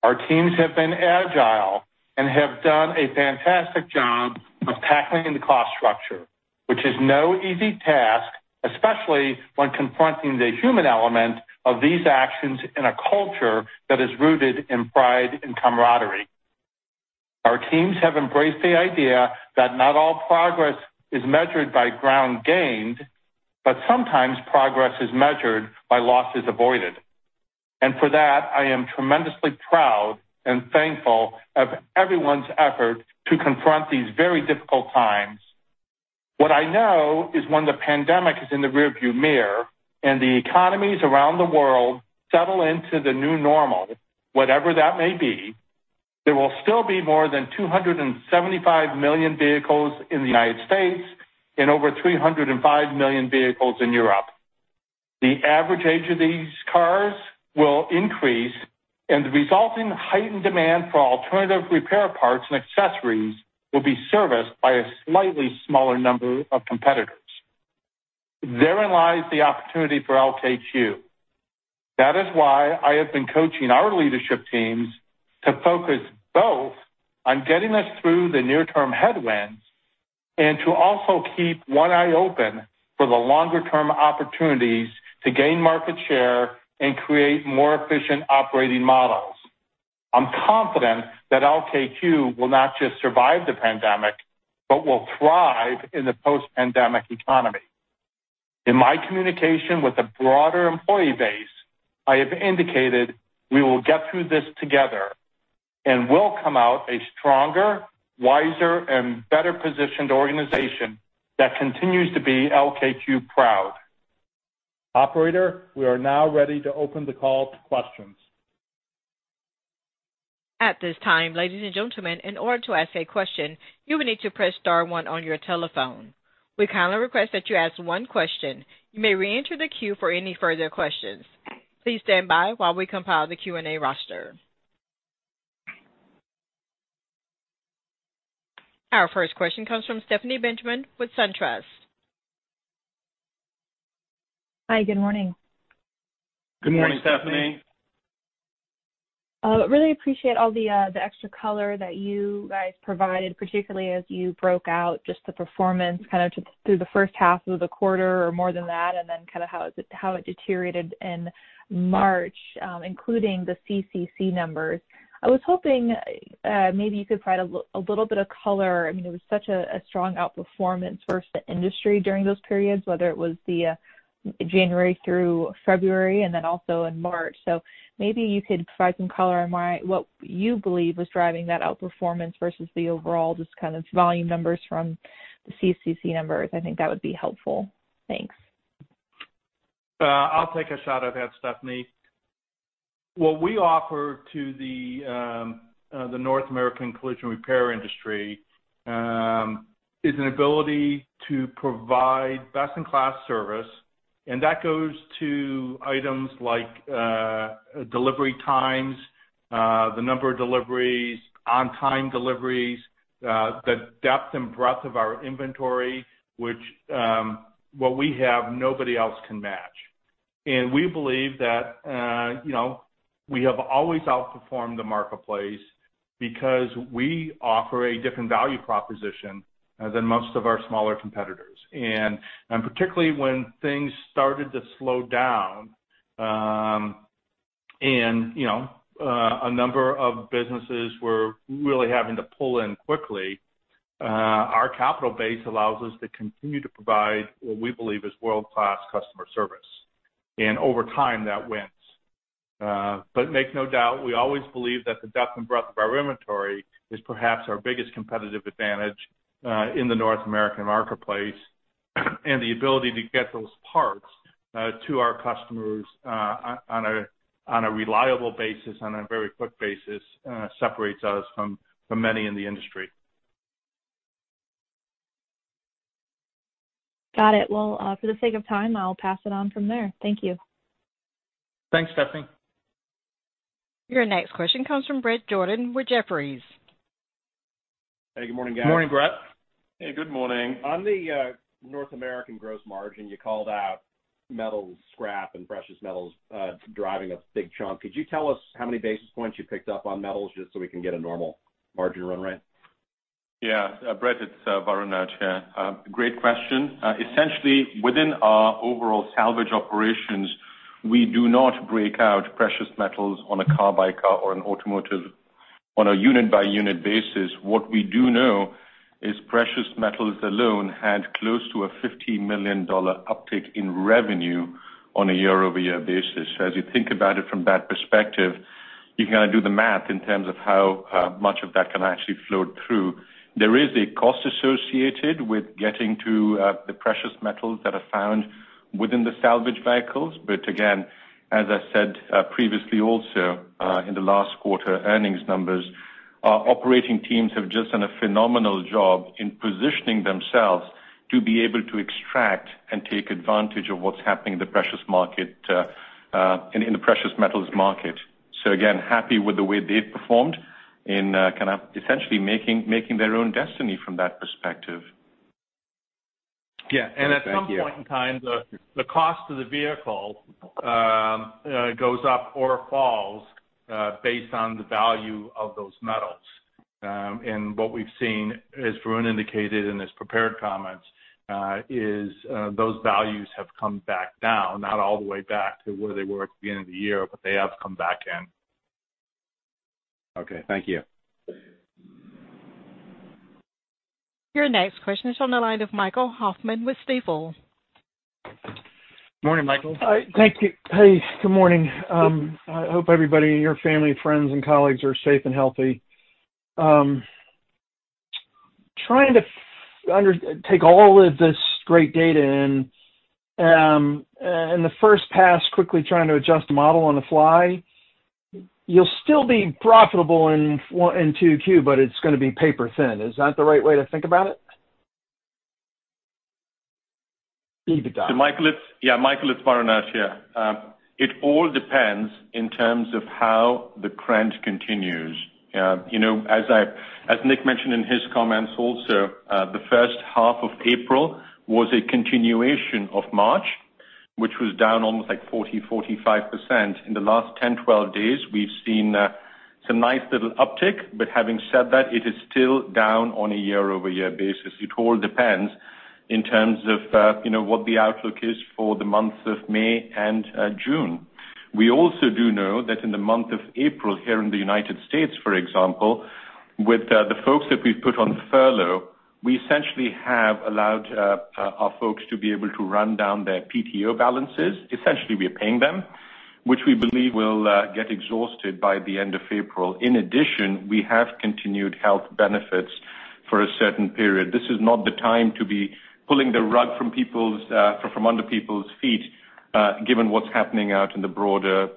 Our teams have been agile and have done a fantastic job of tackling the cost structure, which is no easy task, especially when confronting the human element of these actions in a culture that is rooted in pride and camaraderie. Our teams have embraced the idea that not all progress is measured by ground gained, but sometimes progress is measured by losses avoided. For that, I am tremendously proud and thankful of everyone's effort to confront these very difficult times. What I know is when the pandemic is in the rear-view mirror and the economies around the world settle into the new normal, whatever that may be, there will still be more than 275 million vehicles in the United States and over 305 million vehicles in Europe. The average age of these cars will increase, and the resulting heightened demand for alternative repair parts and accessories will be serviced by a slightly smaller number of competitors. Therein lies the opportunity for LKQ. That is why I have been coaching our leadership teams to focus both on getting us through the near-term headwinds and to also keep one eye open for the longer-term opportunities to gain market share and create more efficient operating models. I'm confident that LKQ will not just survive the pandemic, but will thrive in the post-pandemic economy. In my communication with the broader employee base, I have indicated we will get through this together and we'll come out a stronger, wiser, and better-positioned organization that continues to be LKQ proud. Operator, we are now ready to open the call to questions. At this time, ladies and gentlemen, in order to ask a question, you will need to press star one on your telephone. We kindly request that you ask one question. You may reenter the queue for any further questions. Please stand by while we compile the Q&A roster. Our first question comes from Stephanie Benjamin with SunTrust. Hi, good morning. Good morning, Stephanie. Really appreciate all the extra color that you guys provided, particularly as you broke out just the performance kind of through the first half of the quarter or more than that, and then how it deteriorated in March, including the CCC numbers. I was hoping maybe you could provide a little bit of color. It was such a strong outperformance versus the industry during those periods, whether it was the January through February, and then also in March. Maybe you could provide some color on what you believe was driving that outperformance versus the overall just kind of volume numbers from the CCC numbers. I think that would be helpful. Thanks. I'll take a shot at that, Stephanie. What we offer to the North American collision repair industry is an ability to provide best-in-class service, that goes to items like delivery times, the number of deliveries, on-time deliveries, the depth and breadth of our inventory. What we have, nobody else can match. We believe that we have always outperformed the marketplace because we offer a different value proposition than most of our smaller competitors. Particularly when things started to slow down and a number of businesses were really having to pull in quickly, our capital base allows us to continue to provide what we believe is world-class customer service. Over time, that wins. Make no doubt, we always believe that the depth and breadth of our inventory is perhaps our biggest competitive advantage in the North American marketplace, and the ability to get those parts to our customers on a reliable basis, on a very quick basis, separates us from many in the industry. Got it. Well, for the sake of time, I'll pass it on from there. Thank you. Thanks, Stephanie. Your next question comes from Bret Jordan with Jefferies. Hey, good morning, guys. Morning, Bret. Hey, good morning. On the North American gross margin you called out. Metal scrap and precious metals driving a big chunk. Could you tell us how many basis points you picked up on metals just so we can get a normal margin run rate? Yeah. Bret, it's Varun here. Great question. Essentially, within our overall salvage operations, we do not break out precious metals on a car-by-car or an automotive on a unit-by-unit basis. What we do know is precious metals alone had close to a $15 million uptick in revenue on a year-over-year basis. As you think about it from that perspective, you can do the math in terms of how much of that can actually flow through. There is a cost associated with getting to the precious metals that are found within the salvage vehicles. Again, as I said previously also, in the last quarter earnings numbers, our operating teams have just done a phenomenal job in positioning themselves to be able to extract and take advantage of what's happening in the precious metals market. Again, happy with the way they've performed in essentially making their own destiny from that perspective. Yeah. Thank you. At some point in time, the cost of the vehicle goes up or falls based on the value of those metals. What we've seen, as Varun indicated in his prepared comments, is those values have come back down, not all the way back to where they were at the beginning of the year, but they have come back in. Okay. Thank you. Your next question is on the line of Michael Hoffman with Stifel. Morning, Michael. Hi. Thank you. Hey, good morning. I hope everybody in your family, friends, and colleagues are safe and healthy. Trying to take all of this great data in the first pass, quickly trying to adjust the model on the fly, you'll still be profitable in 2Q, but it's going to be paper thin. Is that the right way to think about it? EBITDA. Michael, it's Varun Laroyia here. It all depends in terms of how the trend continues. As Nick mentioned in his comments also, the first half of April was a continuation of March, which was down almost 40%, 45%. In the last 10, 12 days, we've seen some nice little uptick, having said that, it is still down on a year-over-year basis. It all depends in terms of what the outlook is for the months of May and June. We also do know that in the month of April here in the U.S., for example, with the folks that we've put on furlough, we essentially have allowed our folks to be able to run down their PTO balances. Essentially, we are paying them, which we believe will get exhausted by the end of April. In addition, we have continued health benefits for a certain period. This is not the time to be pulling the rug from under people's feet, given what's happening out in the broader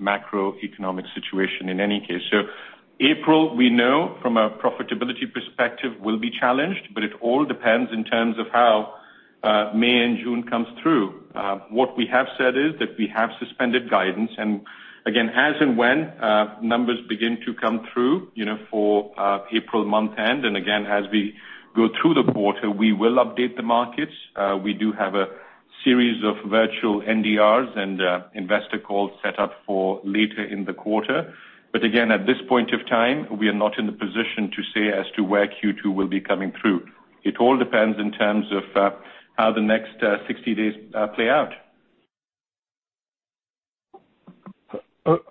macroeconomic situation in any case. April, we know from a profitability perspective, will be challenged, but it all depends in terms of how May and June comes through. What we have said is that we have suspended guidance. Again, as and when numbers begin to come through for April month end, and again, as we go through the quarter, we will update the markets. We do have a series of virtual NDRs and investor calls set up for later in the quarter. Again, at this point of time, we are not in the position to say as to where Q2 will be coming through. It all depends in terms of how the next 60 days play out.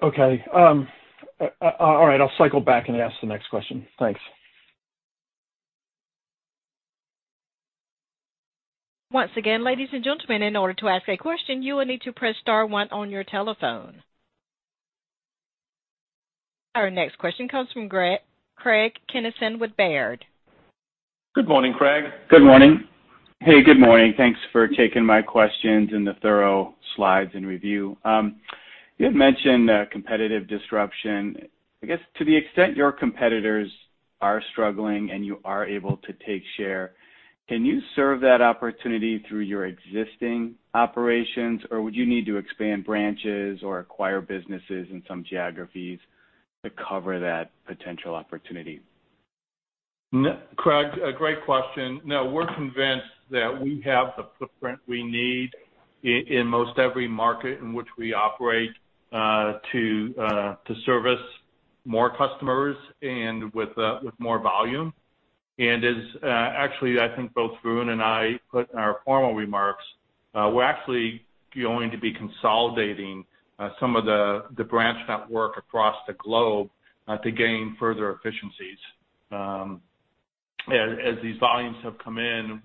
Okay. All right, I'll cycle back and ask the next question. Thanks. Once again, ladies and gentlemen, in order to ask a question, you will need to press star one on your telephone. Our next question comes from Craig Kennison with Baird. Good morning, Craig. Good morning. Hey, good morning. Thanks for taking my questions and the thorough slides and review. You had mentioned competitive disruption. I guess to the extent your competitors are struggling and you are able to take share, can you serve that opportunity through your existing operations, or would you need to expand branches or acquire businesses in some geographies to cover that potential opportunity? Craig, a great question. No, we're convinced that we have the footprint we need in most every market in which we operate to service more customers and with more volume. As actually, I think both Varun and I put in our formal remarks, we're actually going to be consolidating some of the branch network across the globe to gain further efficiencies. As these volumes have come in,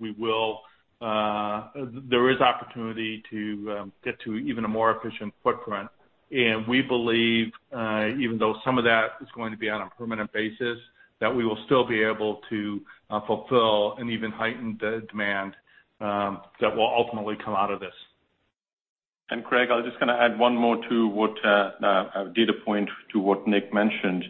there is opportunity to get to even a more efficient footprint. We believe, even though some of that is going to be on a permanent basis, that we will still be able to fulfill and even heighten the demand that will ultimately come out of this. Craig, I was just going to add one more data point to what Nick mentioned.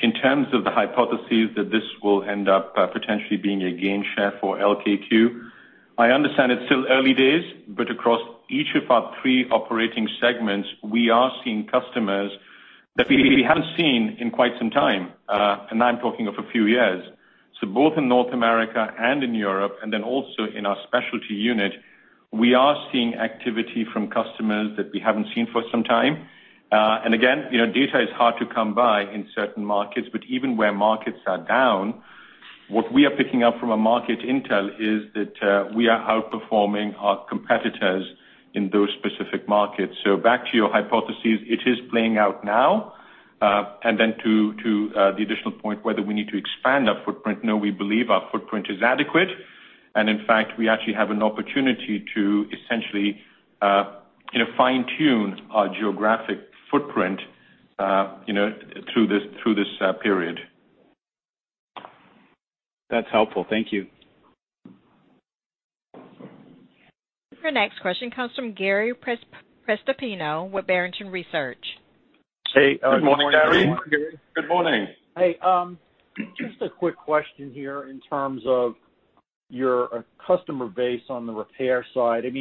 In terms of the hypotheses that this will end up potentially being a gain share for LKQ, I understand it's still early days, across each of our three operating segments, we are seeing customers that we haven't seen in quite some time, I'm talking of a few years. Both in North America and in Europe, and then also in our specialty unit, we are seeing activity from customers that we haven't seen for some time. Again, data is hard to come by in certain markets, but even where markets are down, what we are picking up from a market intel is that we are outperforming our competitors in those specific markets. Back to your hypothesis, it is playing out now. To the additional point whether we need to expand our footprint, no, we believe our footprint is adequate. In fact, we actually have an opportunity to essentially fine-tune our geographic footprint through this period. That's helpful. Thank you. Your next question comes from Gary Prestopino with Barrington Research. Hey, good morning, Gary. Good morning. Hey, just a quick question here in terms of your customer base on the repair side. Is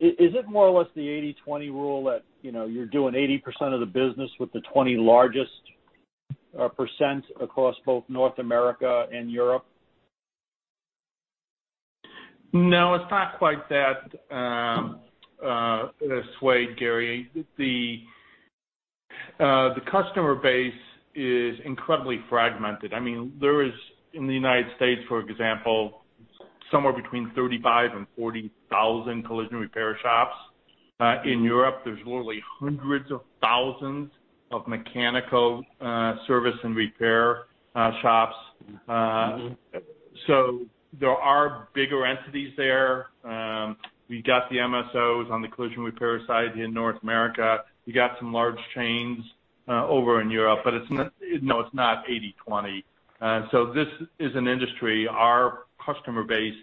it more or less the 80/20 rule that you're doing 80% of the business with the 20 largest percent across both North America and Europe? No, it's not quite that swayed, Gary. The customer base is incredibly fragmented. There is, in the United States, for example, somewhere between 35,000 and 40,000 collision repair shops. In Europe, there's literally hundreds of thousands of mechanical service and repair shops. There are bigger entities there. We got the MSOs on the collision repair side in North America. We got some large chains over in Europe. No, it's not 80/20. This is an industry, our customer base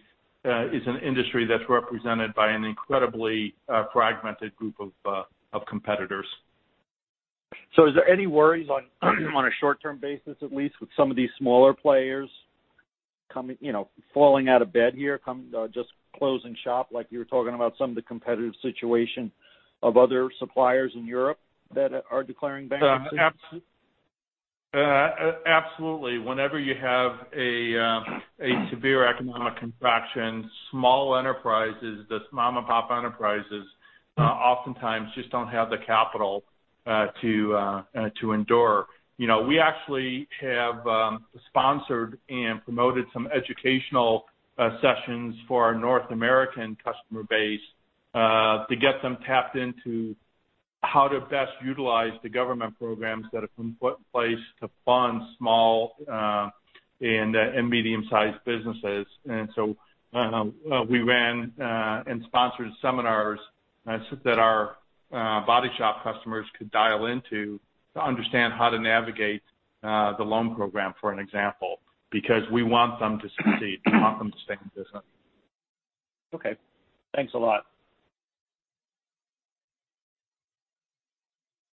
is an industry that's represented by an incredibly fragmented group of competitors. Is there any worries on a short-term basis, at least, with some of these smaller players falling out of bed here, just closing shop like you were talking about some of the competitive situation of other suppliers in Europe that are declaring bankruptcy? Absolutely. Whenever you have a severe economic contraction, small enterprises, these mom-and-pop enterprises, oftentimes just don't have the capital to endure. We actually have sponsored and promoted some educational sessions for our North American customer base, to get them tapped into how to best utilize the government programs that have been put in place to fund small and medium-sized businesses. We ran and sponsored seminars that our body shop customers could dial into to understand how to navigate the loan program, for an example, because we want them to succeed. We want them to stay in business. Okay. Thanks a lot.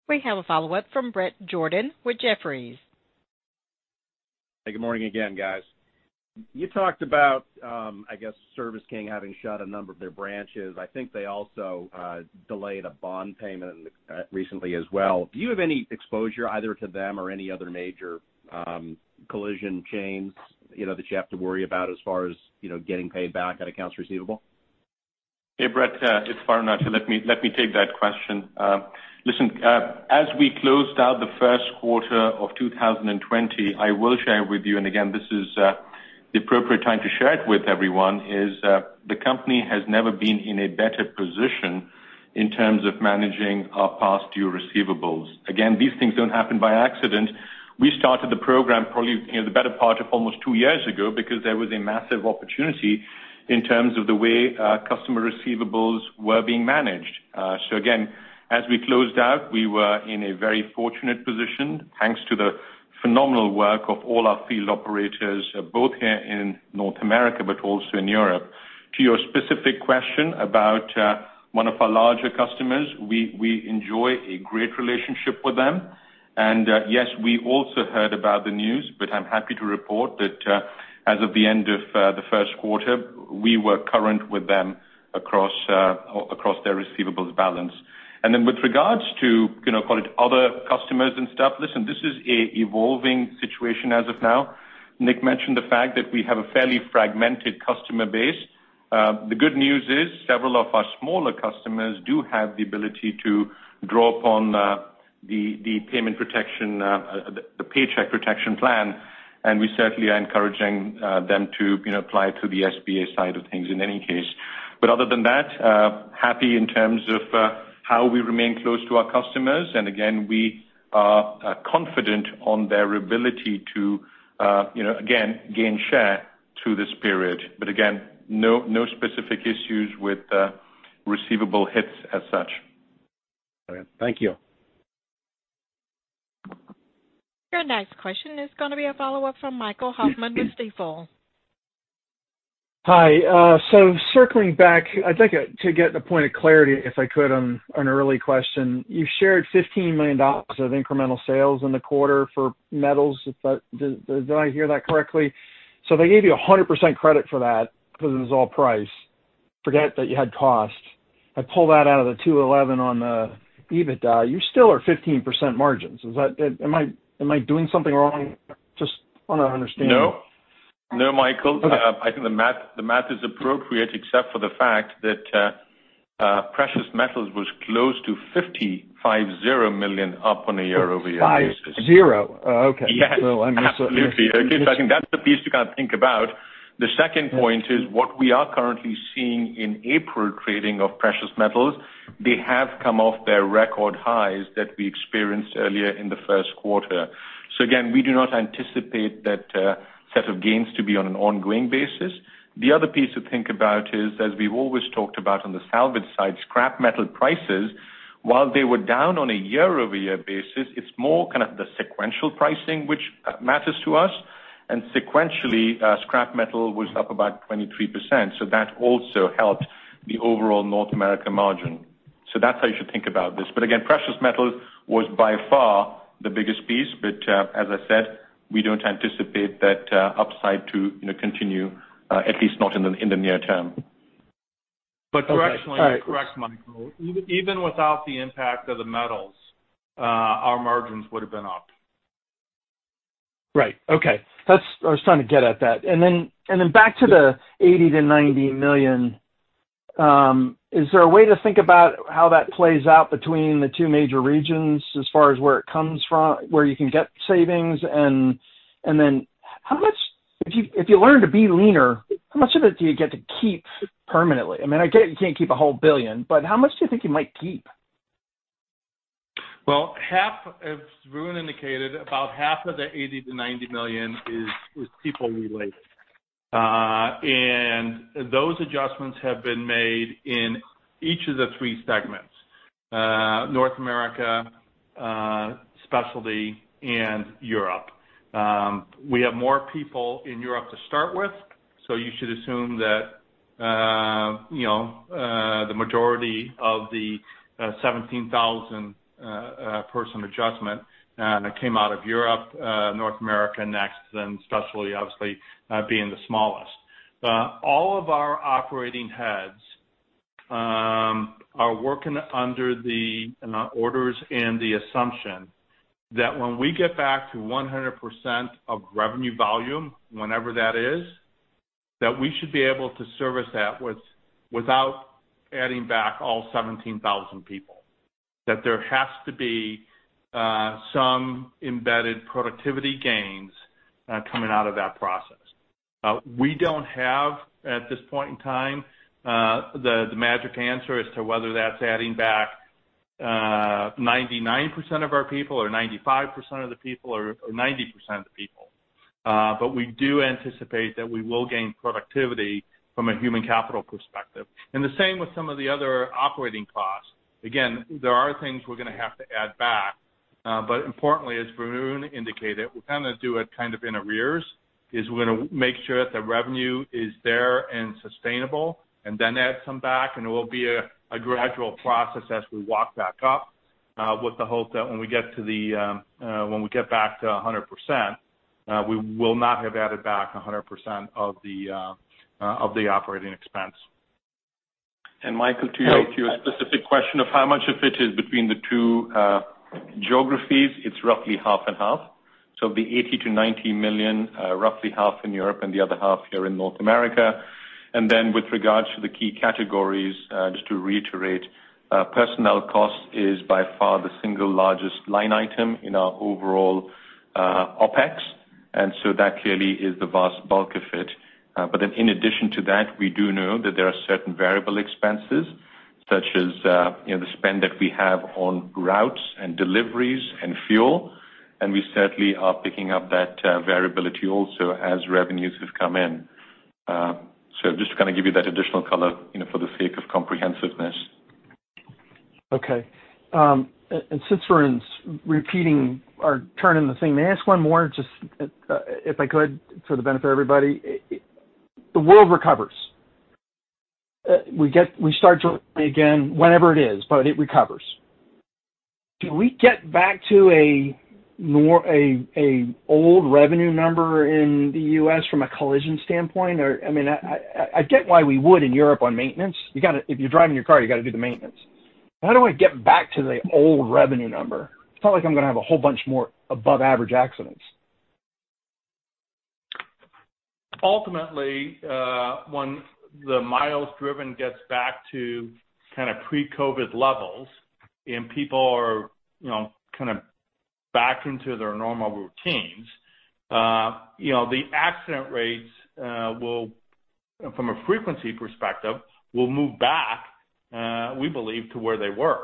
We have a follow-up from Bret Jordan with Jefferies. Hey, good morning again, guys. You talked about, I guess, Service King having shut a number of their branches. I think they also delayed a bond payment recently as well. Do you have any exposure either to them or any other major collision chains that you have to worry about as far as getting paid back on accounts receivable? Hey, Bret, it's Varun. Let me take that question. Listen, as we closed out the first quarter of 2020, I will share with you, and again, this is the appropriate time to share it with everyone, is the company has never been in a better position in terms of managing our past due receivables. Again, these things don't happen by accident. We started the program probably the better part of almost two years ago because there was a massive opportunity in terms of the way customer receivables were being managed. Again, as we closed out, we were in a very fortunate position, thanks to the phenomenal work of all our field operators, both here in North America, but also in Europe. To your specific question about one of our larger customers, we enjoy a great relationship with them. Yes, we also heard about the news, but I'm happy to report that as of the end of the first quarter, we were current with them across their receivables balance. With regards to, call it other customers and stuff, listen, this is an evolving situation as of now. Nick mentioned the fact that we have a fairly fragmented customer base. The good news is several of our smaller customers do have the ability to draw upon the Paycheck Protection Program, and we certainly are encouraging them to apply through the SBA side of things in any case. Other than that, happy in terms of how we remain close to our customers. Again, we are confident on their ability to again gain share through this period. Again, no specific issues with receivable hits as such. All right. Thank you. Your next question is going to be a follow-up from Michael Hoffman with Stifel. Circling back, I'd like to get the point of clarity, if I could, on an early question. You shared $15 million of incremental sales in the quarter for metals. Did I hear that correctly? They gave you 100% credit for that because it was all price. Forget that you had costs. I pull that out of the 211 on the EBITDA, you still are 15% margins. Am I doing something wrong? Just want to understand. No. No, Michael. Okay. I think the math is appropriate, except for the fact that precious metals was close to $50 million up on a year-over-year basis. 50. Oh, okay. Yes. I misunderstood. Absolutely. Okay. I think that's the piece to kind of think about. The second point is what we are currently seeing in April trading of precious metals, they have come off their record highs that we experienced earlier in the first quarter. Again, we do not anticipate that set of gains to be on an ongoing basis. The other piece to think about is, as we've always talked about on the salvage side, scrap metal prices, while they were down on a year-over-year basis, it's more kind of the sequential pricing which matters to us. Sequentially, scrap metal was up about 23%. That also helped the overall North America margin. That's how you should think about this. Again, precious metals was by far the biggest piece. As I said, we don't anticipate that upside to continue, at least not in the near term. Okay. All right, cool. Directionally, you're correct, Michael. Even without the impact of the metals, our margins would've been up. Right. Okay. I was trying to get at that. Then back to the $80 million-$90 million, is there a way to think about how that plays out between the two major regions as far as where it comes from, where you can get savings? Then if you learn to be leaner, how much of it do you get to keep permanently? I get you can't keep a whole $1 billion, but how much do you think you might keep? Well, as Varun indicated, about half of the $80 million-$90 million is people-related. Those adjustments have been made in each of the three segments, North America, Specialty, and Europe. We have more people in Europe to start with, you should assume that the majority of the 17,000 people adjustment that came out of Europe, North America next, then Specialty, obviously, being the smallest. All of our operating heads are working under the orders and the assumption that when we get back to 100% of revenue volume, whenever that is, that we should be able to service that without adding back all 17,000 people. There has to be some embedded productivity gains coming out of that process. We don't have, at this point in time, the magic answer as to whether that's adding back 99% of our people or 95% of the people or 90% of the people. We do anticipate that we will gain productivity from a human capital perspective. The same with some of the other operating costs. Again, there are things we're going to have to add back. Importantly, as Varun indicated, we'll kind of do it in arrears, is we're going to make sure that the revenue is there and sustainable, and then add some back, and it will be a gradual process as we walk back up with the hope that when we get back to 100%, we will not have added back 100% of the operating expense. Michael, to answer your specific question of how much of it is between the two geographies, it's roughly half and half. It'd be $80 million-$90 million, roughly half in Europe and the other half here in North America. With regards to the key categories, just to reiterate, personnel costs is by far the single largest line item in our overall OpEx, and so that clearly is the vast bulk of it. In addition to that, we do know that there are certain variable expenses, such as the spend that we have on routes and deliveries and fuel, and we certainly are picking up that variability also as revenues have come in. Just to kind of give you that additional color, for the sake of comprehensiveness. Okay. Since Varun's repeating or turning the thing, may I ask one more, just if I could, for the benefit of everybody? The world recovers. We start to open again, whenever it is, but it recovers. Do we get back to an old revenue number in the U.S. from a collision standpoint? I get why we would in Europe on maintenance. If you're driving your car, you got to do the maintenance. How do I get back to the old revenue number? It's not like I'm going to have a whole bunch more above average accidents. Ultimately, once the miles driven gets back to kind of pre-COVID levels and people are kind of back into their normal routines, the accident rates, from a frequency perspective, will move back, we believe, to where they were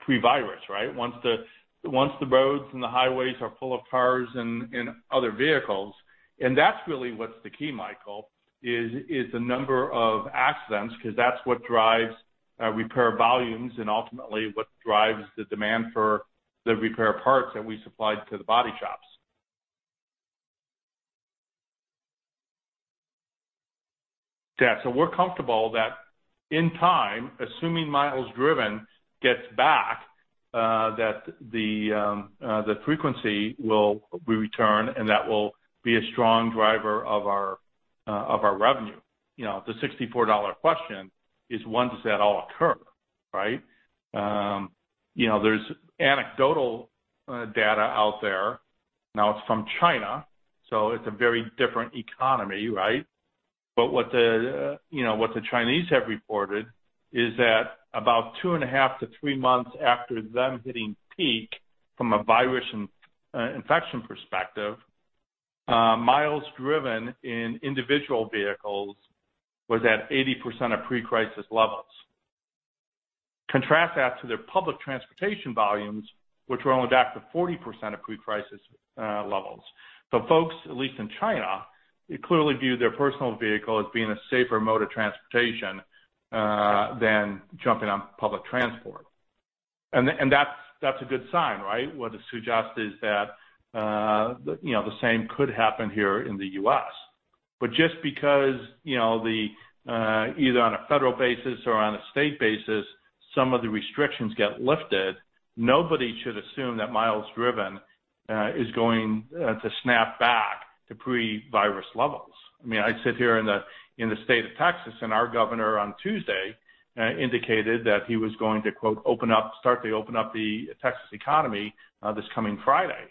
pre-virus, right? Once the roads and the highways are full of cars and other vehicles. That's really what's the key, Michael, is the number of accidents, because that's what drives repair volumes and ultimately what drives the demand for the repair parts that we supplied to the body shops. Yeah, we're comfortable that in time, assuming miles driven gets back that the frequency will return, and that will be a strong driver of our revenue. The $64 question is, when does that all occur, right? There's anecdotal data out there. Now, it's from China, so it's a very different economy, right? What the Chinese have reported is that about 2.5-3 months after them hitting peak from a virus infection perspective, miles driven in individual vehicles was at 80% of pre-crisis levels. Contrast that to their public transportation volumes, which were only back to 40% of pre-crisis levels. Folks, at least in China, clearly view their personal vehicle as being a safer mode of transportation than jumping on public transport. That's a good sign, right? What this suggests is that the same could happen here in the U.S. Just because, either on a federal basis or on a state basis, some of the restrictions get lifted, nobody should assume that miles driven is going to snap back to pre-virus levels. I sit here in the state of Texas, our governor on Tuesday indicated that he was going to, quote, "Start to open up the Texas economy this coming Friday."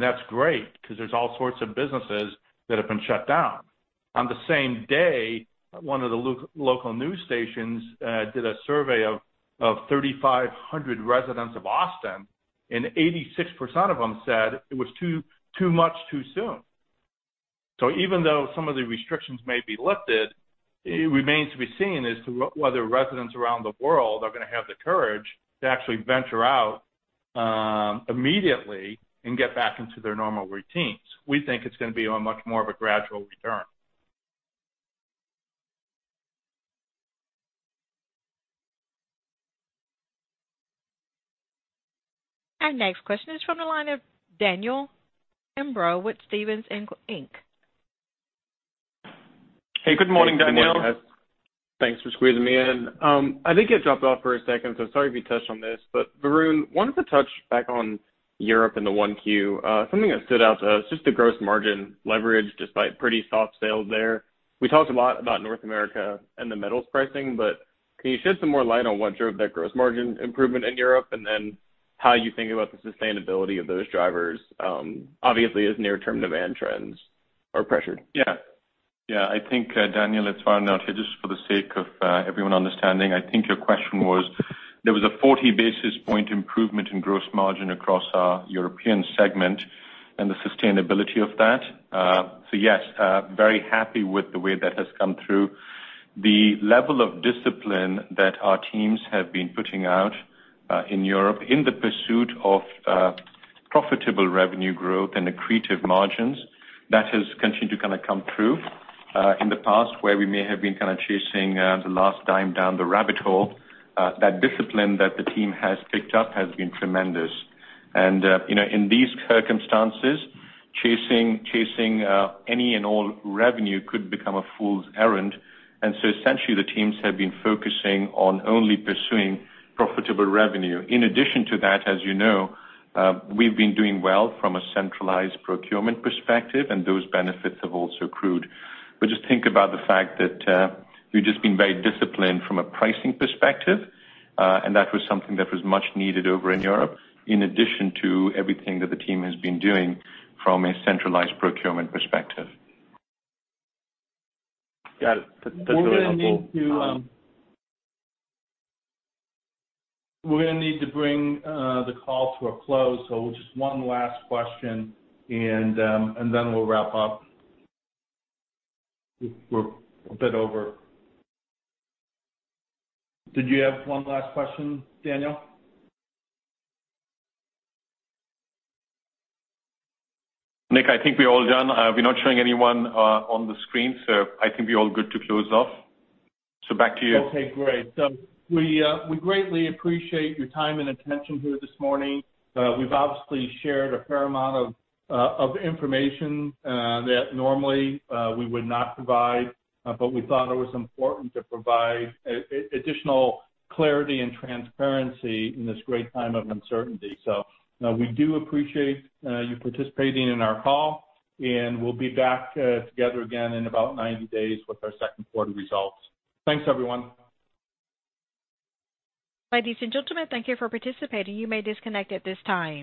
That's great, because there's all sorts of businesses that have been shut down. On the same day, one of the local news stations did a survey of 3,500 residents of Austin, 86% of them said it was too much too soon. Even though some of the restrictions may be lifted, it remains to be seen as to whether residents around the world are going to have the courage to actually venture out immediately and get back into their normal routines. We think it's going to be on much more of a gradual return. Our next question is from the line of Daniel Imbro with Stephens Inc. Hey, good morning, Daniel. Good morning, guys. Thanks for squeezing me in. I think it dropped off for a second, sorry if you touched on this. Varun, wanted to touch back on Europe in the 1Q. Something that stood out to us, just the gross margin leverage, despite pretty soft sales there. We talked a lot about North America and the metals pricing, can you shed some more light on what drove that gross margin improvement in Europe, how you think about the sustainability of those drivers? Obviously, as near-term demand trends are pressured. I think, Daniel, it's Varun here. Just for the sake of everyone understanding, I think your question was, there was a 40 basis point improvement in gross margin across our European segment and the sustainability of that. Yes, very happy with the way that has come through. The level of discipline that our teams have been putting out in Europe in the pursuit of profitable revenue growth and accretive margins, that has continued to kind of come through. In the past, where we may have been kind of chasing the last dime down the rabbit hole, that discipline that the team has picked up has been tremendous. In these circumstances, chasing any and all revenue could become a fool's errand. Essentially, the teams have been focusing on only pursuing profitable revenue. In addition to that, as you know, we've been doing well from a centralized procurement perspective, and those benefits have also accrued. Just think about the fact that we've just been very disciplined from a pricing perspective, and that was something that was much needed over in Europe, in addition to everything that the team has been doing from a centralized procurement perspective. Got it. That's really helpful. We're going to need to bring the call to a close, so just one last question, and then we'll wrap up. We're a bit over. Did you have one last question, Daniel? Nick, I think we're all done. We're not showing anyone on the screen, so I think we're all good to close off. Back to you. Okay, great. We greatly appreciate your time and attention here this morning. We've obviously shared a fair amount of information that normally we would not provide. We thought it was important to provide additional clarity and transparency in this great time of uncertainty. We do appreciate you participating in our call, and we'll be back together again in about 90 days with our second quarter results. Thanks, everyone. Ladies and gentlemen, thank you for participating. You may disconnect at this time.